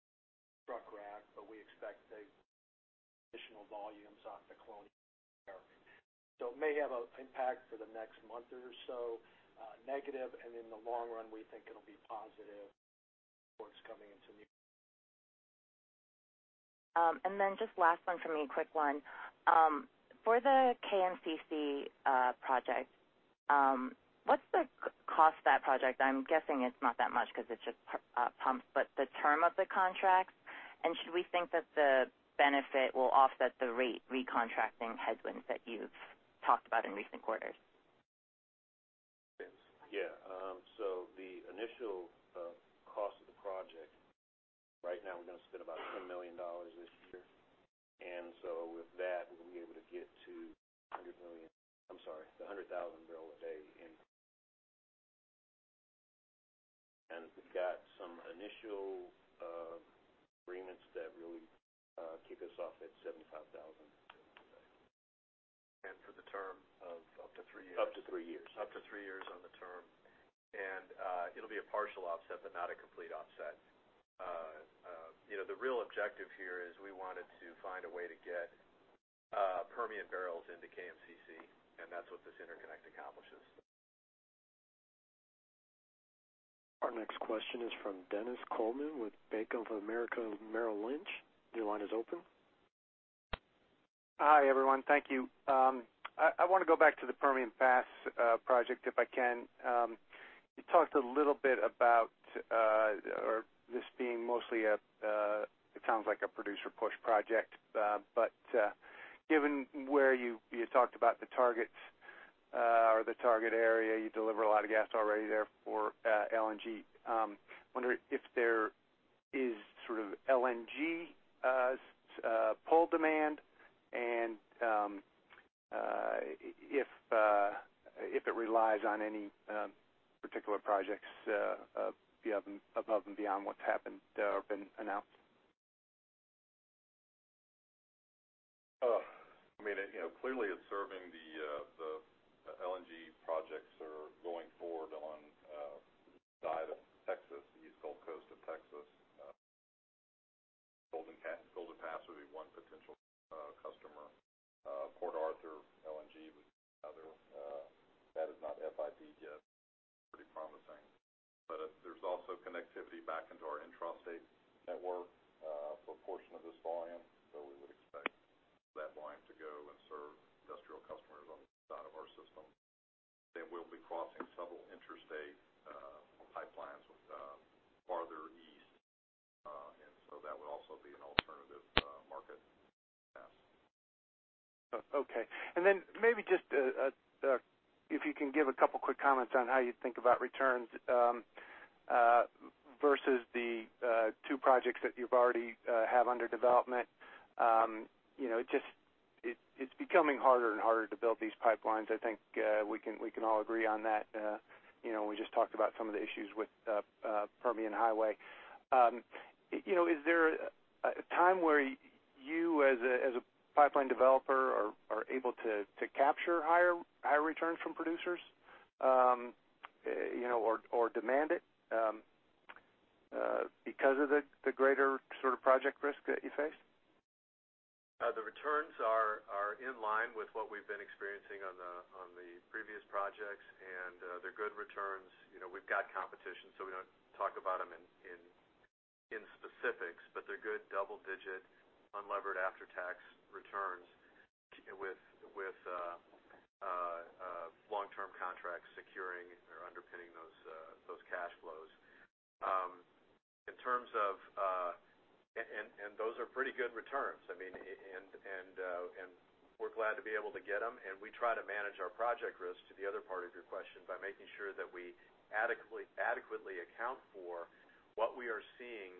truck rack, but we expect additional volumes off the Colonial-American. It may have an impact for the next month or so, negative, and in the long run, we think it'll be positive with the imports coming into Then just last one from me, quick one. For the KMCC project, what's the cost of that project? I'm guessing it's not that much because it's just pumps, but the term of the contracts. Should we think that the benefit will offset the rate recontracting headwinds that you've talked about in recent quarters? Yes. The initial cost of the project, right now we're going to spend about $10 million this year. With that, we'll be able to get to the 100,000 barrel a day in. We've got some initial agreements that really kick us off at 75,000. For the term of up to three years. Up to three years. Up to three years on the term. It'll be a partial offset, but not a complete offset. The real objective here is we wanted to find a way to get Permian barrels into KMCC, and that's what this interconnect accomplishes. Our next question is from Dennis Coleman with Bank of America, Merrill Lynch. Your line is open. Hi, everyone. Thank you. I want to go back to the Permian Pass project, if I can. You talked a little bit about this being mostly, it sounds like a producer-push project. Given where you talked about the targets or the target area, you deliver a lot of gas already there for LNG. I wonder if there is sort of LNG pull demand and if it relies on any particular projects above and beyond what's happened or been announced. Clearly it's serving the LNG projects that are going forward on the side of Texas, the East Gulf Coast of Texas. Golden Pass would be one potential customer. Port Arthur LNG would be another. That is not FID yet, pretty promising. There's also connectivity back into our intrastate network for a portion of this volume. We would expect that line to go and serve industrial customers on that side of our system. They will be crossing several interstate pipelines farther east. That would also be an alternative market for Permian Pass. Okay. Maybe just if you can give a couple quick comments on how you think about returns versus the two projects that you already have under development. It's becoming harder and harder to build these pipelines. I think we can all agree on that. We just talked about some of the issues with Permian Highway. Is there a time where you as a pipeline developer are able to capture higher returns from producers or demand it because of the greater sort of project risk that you face? The returns are in line with what we've been experiencing on the previous projects, and they're good returns. We've got competition, we don't talk about them in specifics, they're good double-digit unlevered after-tax returns with long-term contracts securing or underpinning those cash flows. Those are pretty good returns, and we're glad to be able to get them. We try to manage our project risk to the other part of your question by making sure that we adequately account for what we are seeing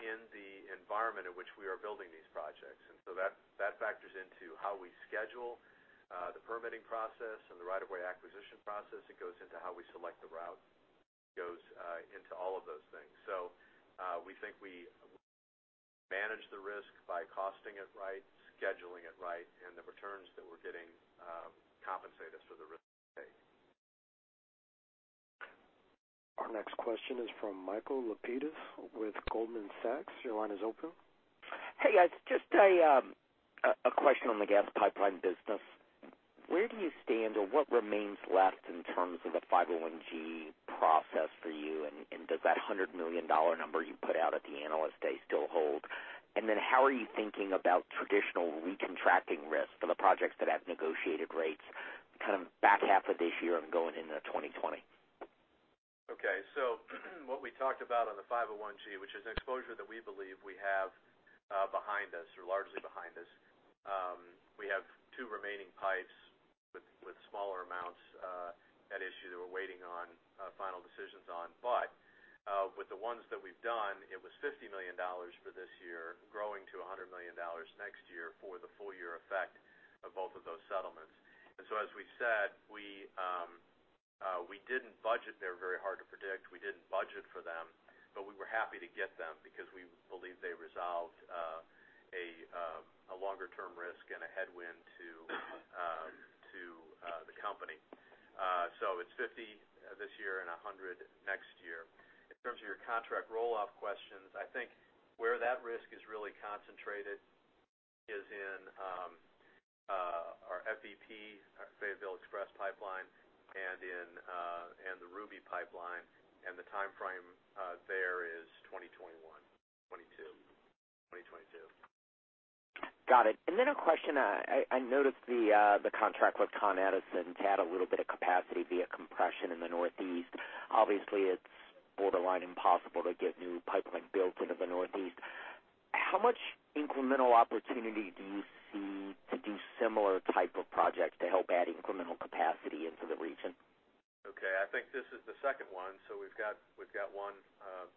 in the environment in which we are building these projects. That factors into how we schedule the permitting process and the right of way acquisition process. It goes into how we select the route. It goes into all of those things. We think we manage the risk by costing it right, scheduling it right, and the returns that we're getting compensate us for the risk we take. Our next question is from Michael Lapides with Goldman Sachs. Your line is open. Hey, guys. Just a question on the gas pipeline business. Where do you stand or what remains left in terms of the 501-G process for you? Does that $100 million number you put out at the Analyst Day still hold? How are you thinking about traditional recontracting risk for the projects that have negotiated rates kind of back half of this year and going into 2020? Okay. What we talked about on the 501-G, which is an exposure that we believe we have behind us or largely behind us. We have two remaining pipes with smaller amounts at issue that we're waiting on final decisions on. With the ones that we've done, it was $50 million for this year, growing to $100 million next year for the full year effect of both of those settlements. As we've said, they're very hard to predict. We didn't budget for them, but we were happy to get them because we believe they. A longer-term risk and a headwind to the company. It is $50 this year and $100 next year. In terms of your contract roll-off questions, I think where that risk is really concentrated is in our FEP, Fayetteville Express Pipeline, and the Ruby Pipeline, and the timeframe there is 2021, 2022. Got it. A question, I noticed the contract with Con Edison to add a little bit of capacity via compression in the Northeast. Obviously, it is borderline impossible to get new pipeline built into the Northeast. How much incremental opportunity do you see to do similar type of projects to help add incremental capacity into the region? Okay. I think this is the second one. We have got one,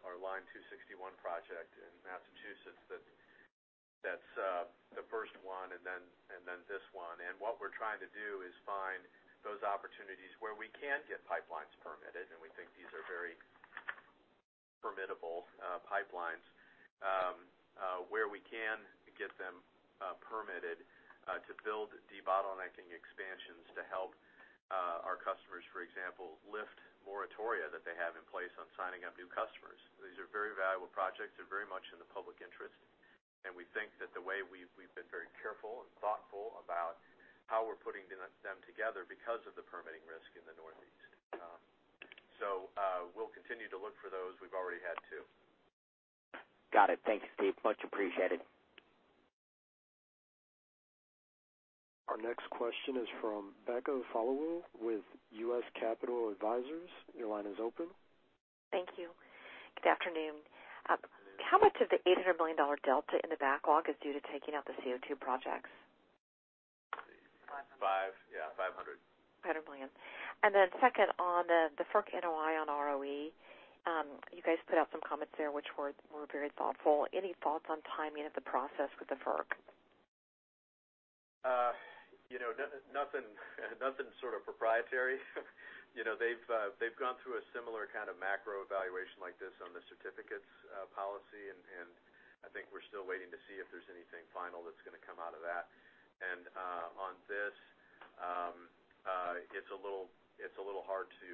our Line 261 project in Massachusetts, that is the first one, this one. What we are trying to do is find those opportunities where we can get pipelines permitted, and we think these are very permittable pipelines, where we can get them permitted to build debottlenecking expansions to help our customers, for example, lift moratoria that they have in place on signing up new customers. These are very valuable projects. They are very much in the public interest, and we think that the way we have been very careful and thoughtful about how we are putting them together because of the permitting risk in the Northeast. We will continue to look for those. We have already had two. Got it. Thank you, Steve. Much appreciated. Our next question is from Becca Followill with US Capital Advisors. Your line is open. Thank you. Good afternoon. How much of the $800 million delta in the backlog is due to taking out the CO2 projects? Five. Yeah, 500. $500 million. Second on the FERC NOI on ROE. You guys put out some comments there, which were very thoughtful. Any thoughts on timing of the process with the FERC? Nothing sort of proprietary. They've gone through a similar kind of macro evaluation like this on the certificates policy, I think we're still waiting to see if there's anything final that's going to come out of that. On this, it's a little hard to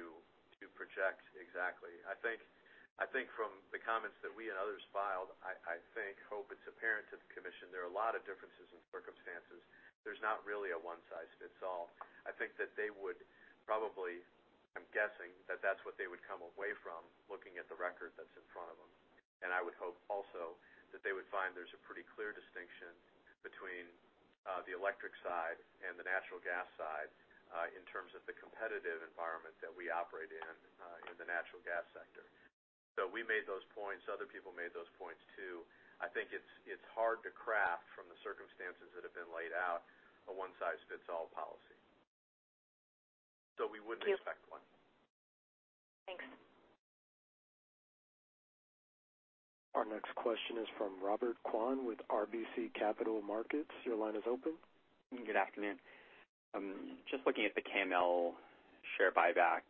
project exactly. I think from the comments that we and others filed, I think, hope it's apparent to the commission there are a lot of differences in circumstances. There's not really a one-size-fits-all. I think that they would probably, I'm guessing, that that's what they would come away from looking at the record that's in front of them. I would hope also that they would find there's a pretty clear distinction between the electric side and the natural gas side in terms of the competitive environment that we operate in the natural gas sector. We made those points. Other people made those points too. I think it's hard to craft from the circumstances that have been laid out, a one-size-fits-all policy. We wouldn't expect one. Thanks. Our next question is from Robert Kwan with RBC Capital Markets. Your line is open. Good afternoon. Just looking at the KML share buyback.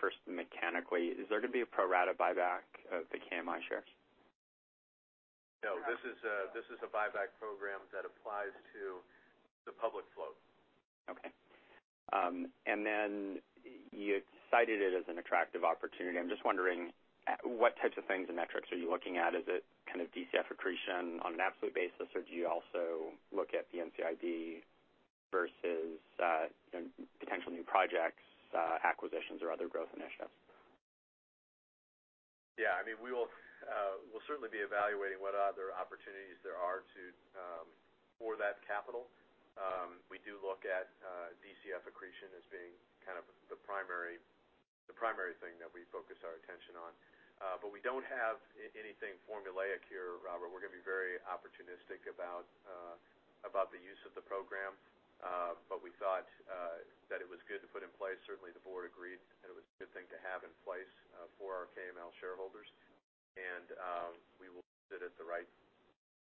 First mechanically, is there going to be a pro rata buyback of the KMI shares? No, this is a buyback program that applies to the public float. Okay. You cited it as an attractive opportunity. I'm just wondering what types of things and metrics are you looking at? Is it kind of DCF accretion on an absolute basis, or do you also look at the NCIB versus potential new projects, acquisitions, or other growth initiatives? Yeah. We'll certainly be evaluating what other opportunities there are for that capital. We do look at DCF accretion as being kind of the primary thing that we focus our attention on. We don't have anything formulaic here, Robert. We're going to be very opportunistic about the use of the program. We thought that it was good to put in place. Certainly, the board agreed that it was a good thing to have in place for our KML shareholders, and we will use it at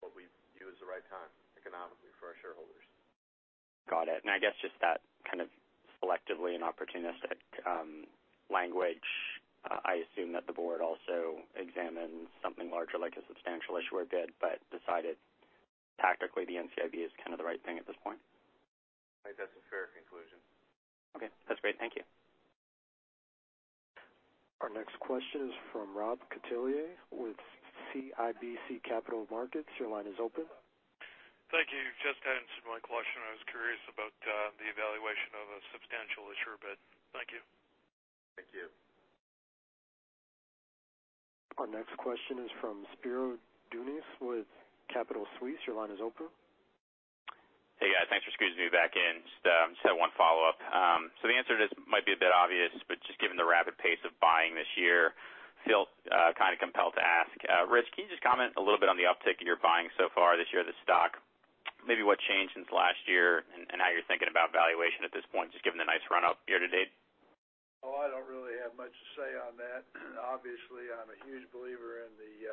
what we view as the right time economically for our shareholders. Got it. I guess just that kind of selectively and opportunistic language, I assume that the board also examined something larger, like a substantial issuer bid, decided tactically the NCIB is kind of the right thing at this point. That's a fair conclusion. Okay. That's great. Thank you. Our next question is from Robert Catellier with CIBC Capital Markets. Your line is open. Thank you. You've just answered my question. I was curious about the evaluation of a substantial issuer bid. Thank you. Thank you. Our next question is from Spiro Dounis with Credit Suisse. Your line is open. Hey, guys. Thanks for squeezing me back in. Just had one follow-up. The answer to this might be a bit obvious, but just given the rapid pace of buying this year, still kind of compelled to ask. Rich, can you just comment a little bit on the uptick in your buying so far this year of the stock? Maybe what changed since last year and how you're thinking about valuation at this point, just given the nice run-up year to date? I don't really have much to say on that. Obviously, I'm a huge believer in the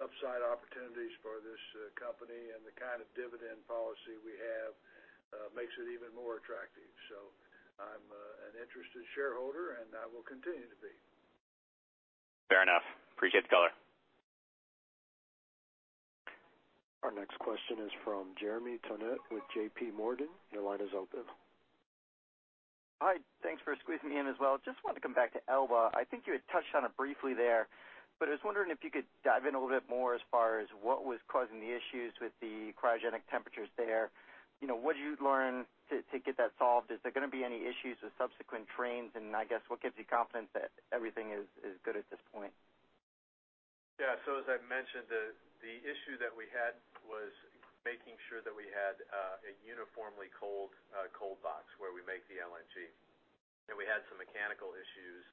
upside opportunities for this company, and the kind of dividend policy we have makes it even more attractive. I'm an interested shareholder, and I will continue to be. Our next question is from Jeremy Tonet with J.P. Morgan. Your line is open. Hi. Thanks for squeezing me in as well. Just wanted to come back to Elba. I think you had touched on it briefly there, I was wondering if you could dive in a little bit more as far as what was causing the issues with the cryogenic temperatures there. What did you learn to get that solved? Is there going to be any issues with subsequent trains? I guess what gives you confidence that everything is good at this point? Yeah. As I mentioned, the issue that we had was making sure that we had a uniformly cold cold box where we make the LNG. We had some mechanical issues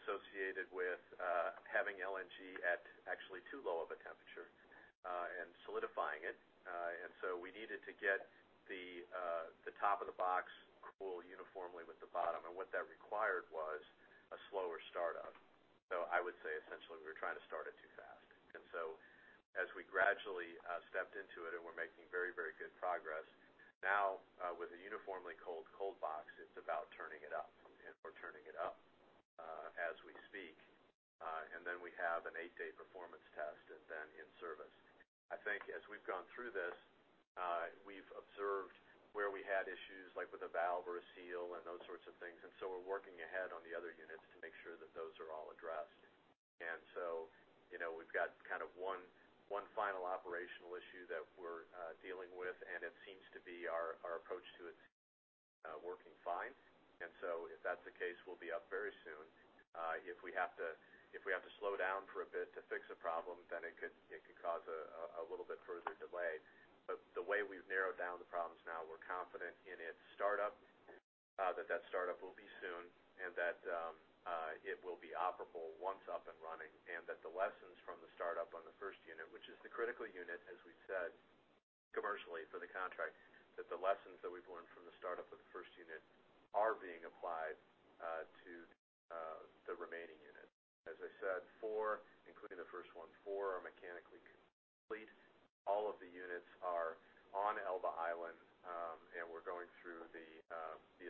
associated with having LNG at actually too low of a temperature and solidifying it. We needed to get the top of the box cool uniformly with the bottom, and what that required was a slower startup. I would say essentially, we were trying to start it too fast. As we gradually stepped into it and we're making very good progress now, with a uniformly cold cold box, it's about turning it up, and we're turning it up as we speak. Then we have an eight-day performance test, and then in service. As we've gone through this, we've observed where we had issues, like with a valve or a seal and those sorts of things. We're working ahead on the other units to make sure that those are all addressed. We've got one final operational issue that we're dealing with, and it seems to be our approach to it is working fine. If that's the case, we'll be up very soon. If we have to slow down for a bit to fix a problem, it could cause a little bit further delay. The way we've narrowed down the problems now, we're confident in its startup, that that startup will be soon, and that it will be operable once up and running, and that the lessons from the startup on the first unit, which is the critical unit, as we've said, commercially for the contract, that the lessons that we've learned from the startup of the first unit are being applied to the remaining units. As I said, four, including the first one, four are mechanically complete. All of the units are on Elba Island. We're going through the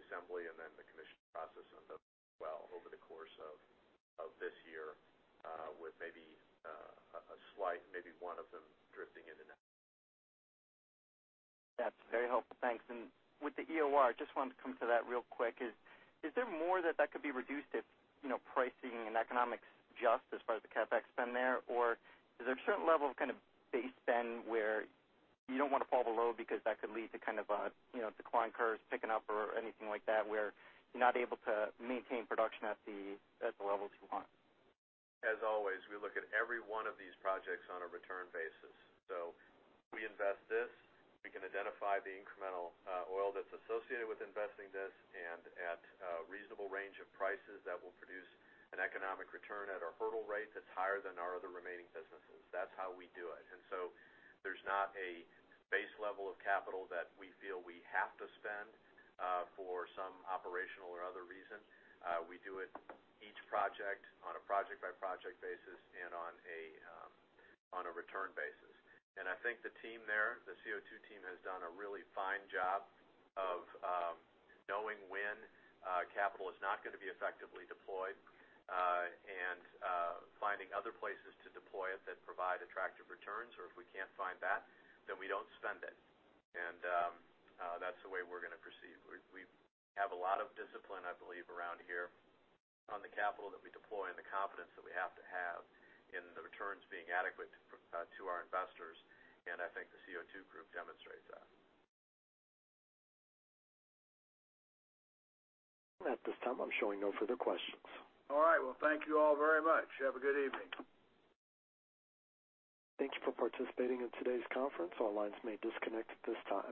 assembly and then the commission process of those as well over the course of this year, with maybe a slight, maybe one of them drifting into next. That's very helpful. Thanks. With the EOR, just wanted to come to that real quick, is there more that that could be reduced if pricing and economics adjust as far as the CapEx spend there? Or is there a certain level of base spend where you don't want to fall below because that could lead to a decline curve picking up or anything like that, where you're not able to maintain production at the levels you want? As always, we look at every one of these projects on a return basis. We invest this, we can identify the incremental oil that's associated with investing this, and at a reasonable range of prices that will produce an economic return at a hurdle rate that's higher than our other remaining businesses. That's how we do it. There's not a base level of capital that we feel we have to spend for some operational or other reason. We do it each project on a project-by-project basis and on a return basis. The team there, the CO2 team, has done a really fine job of knowing when capital is not going to be effectively deployed, and finding other places to deploy it that provide attractive returns. If we can't find that, then we don't spend it. That's the way we're going to proceed. We have a lot of discipline, I believe, around here on the capital that we deploy and the confidence that we have to have in the returns being adequate to our investors, and I think the CO2 group demonstrates that. At this time, I'm showing no further questions. All right. Well, thank you all very much. Have a good evening. Thank you for participating in today's conference. All lines may disconnect at this time.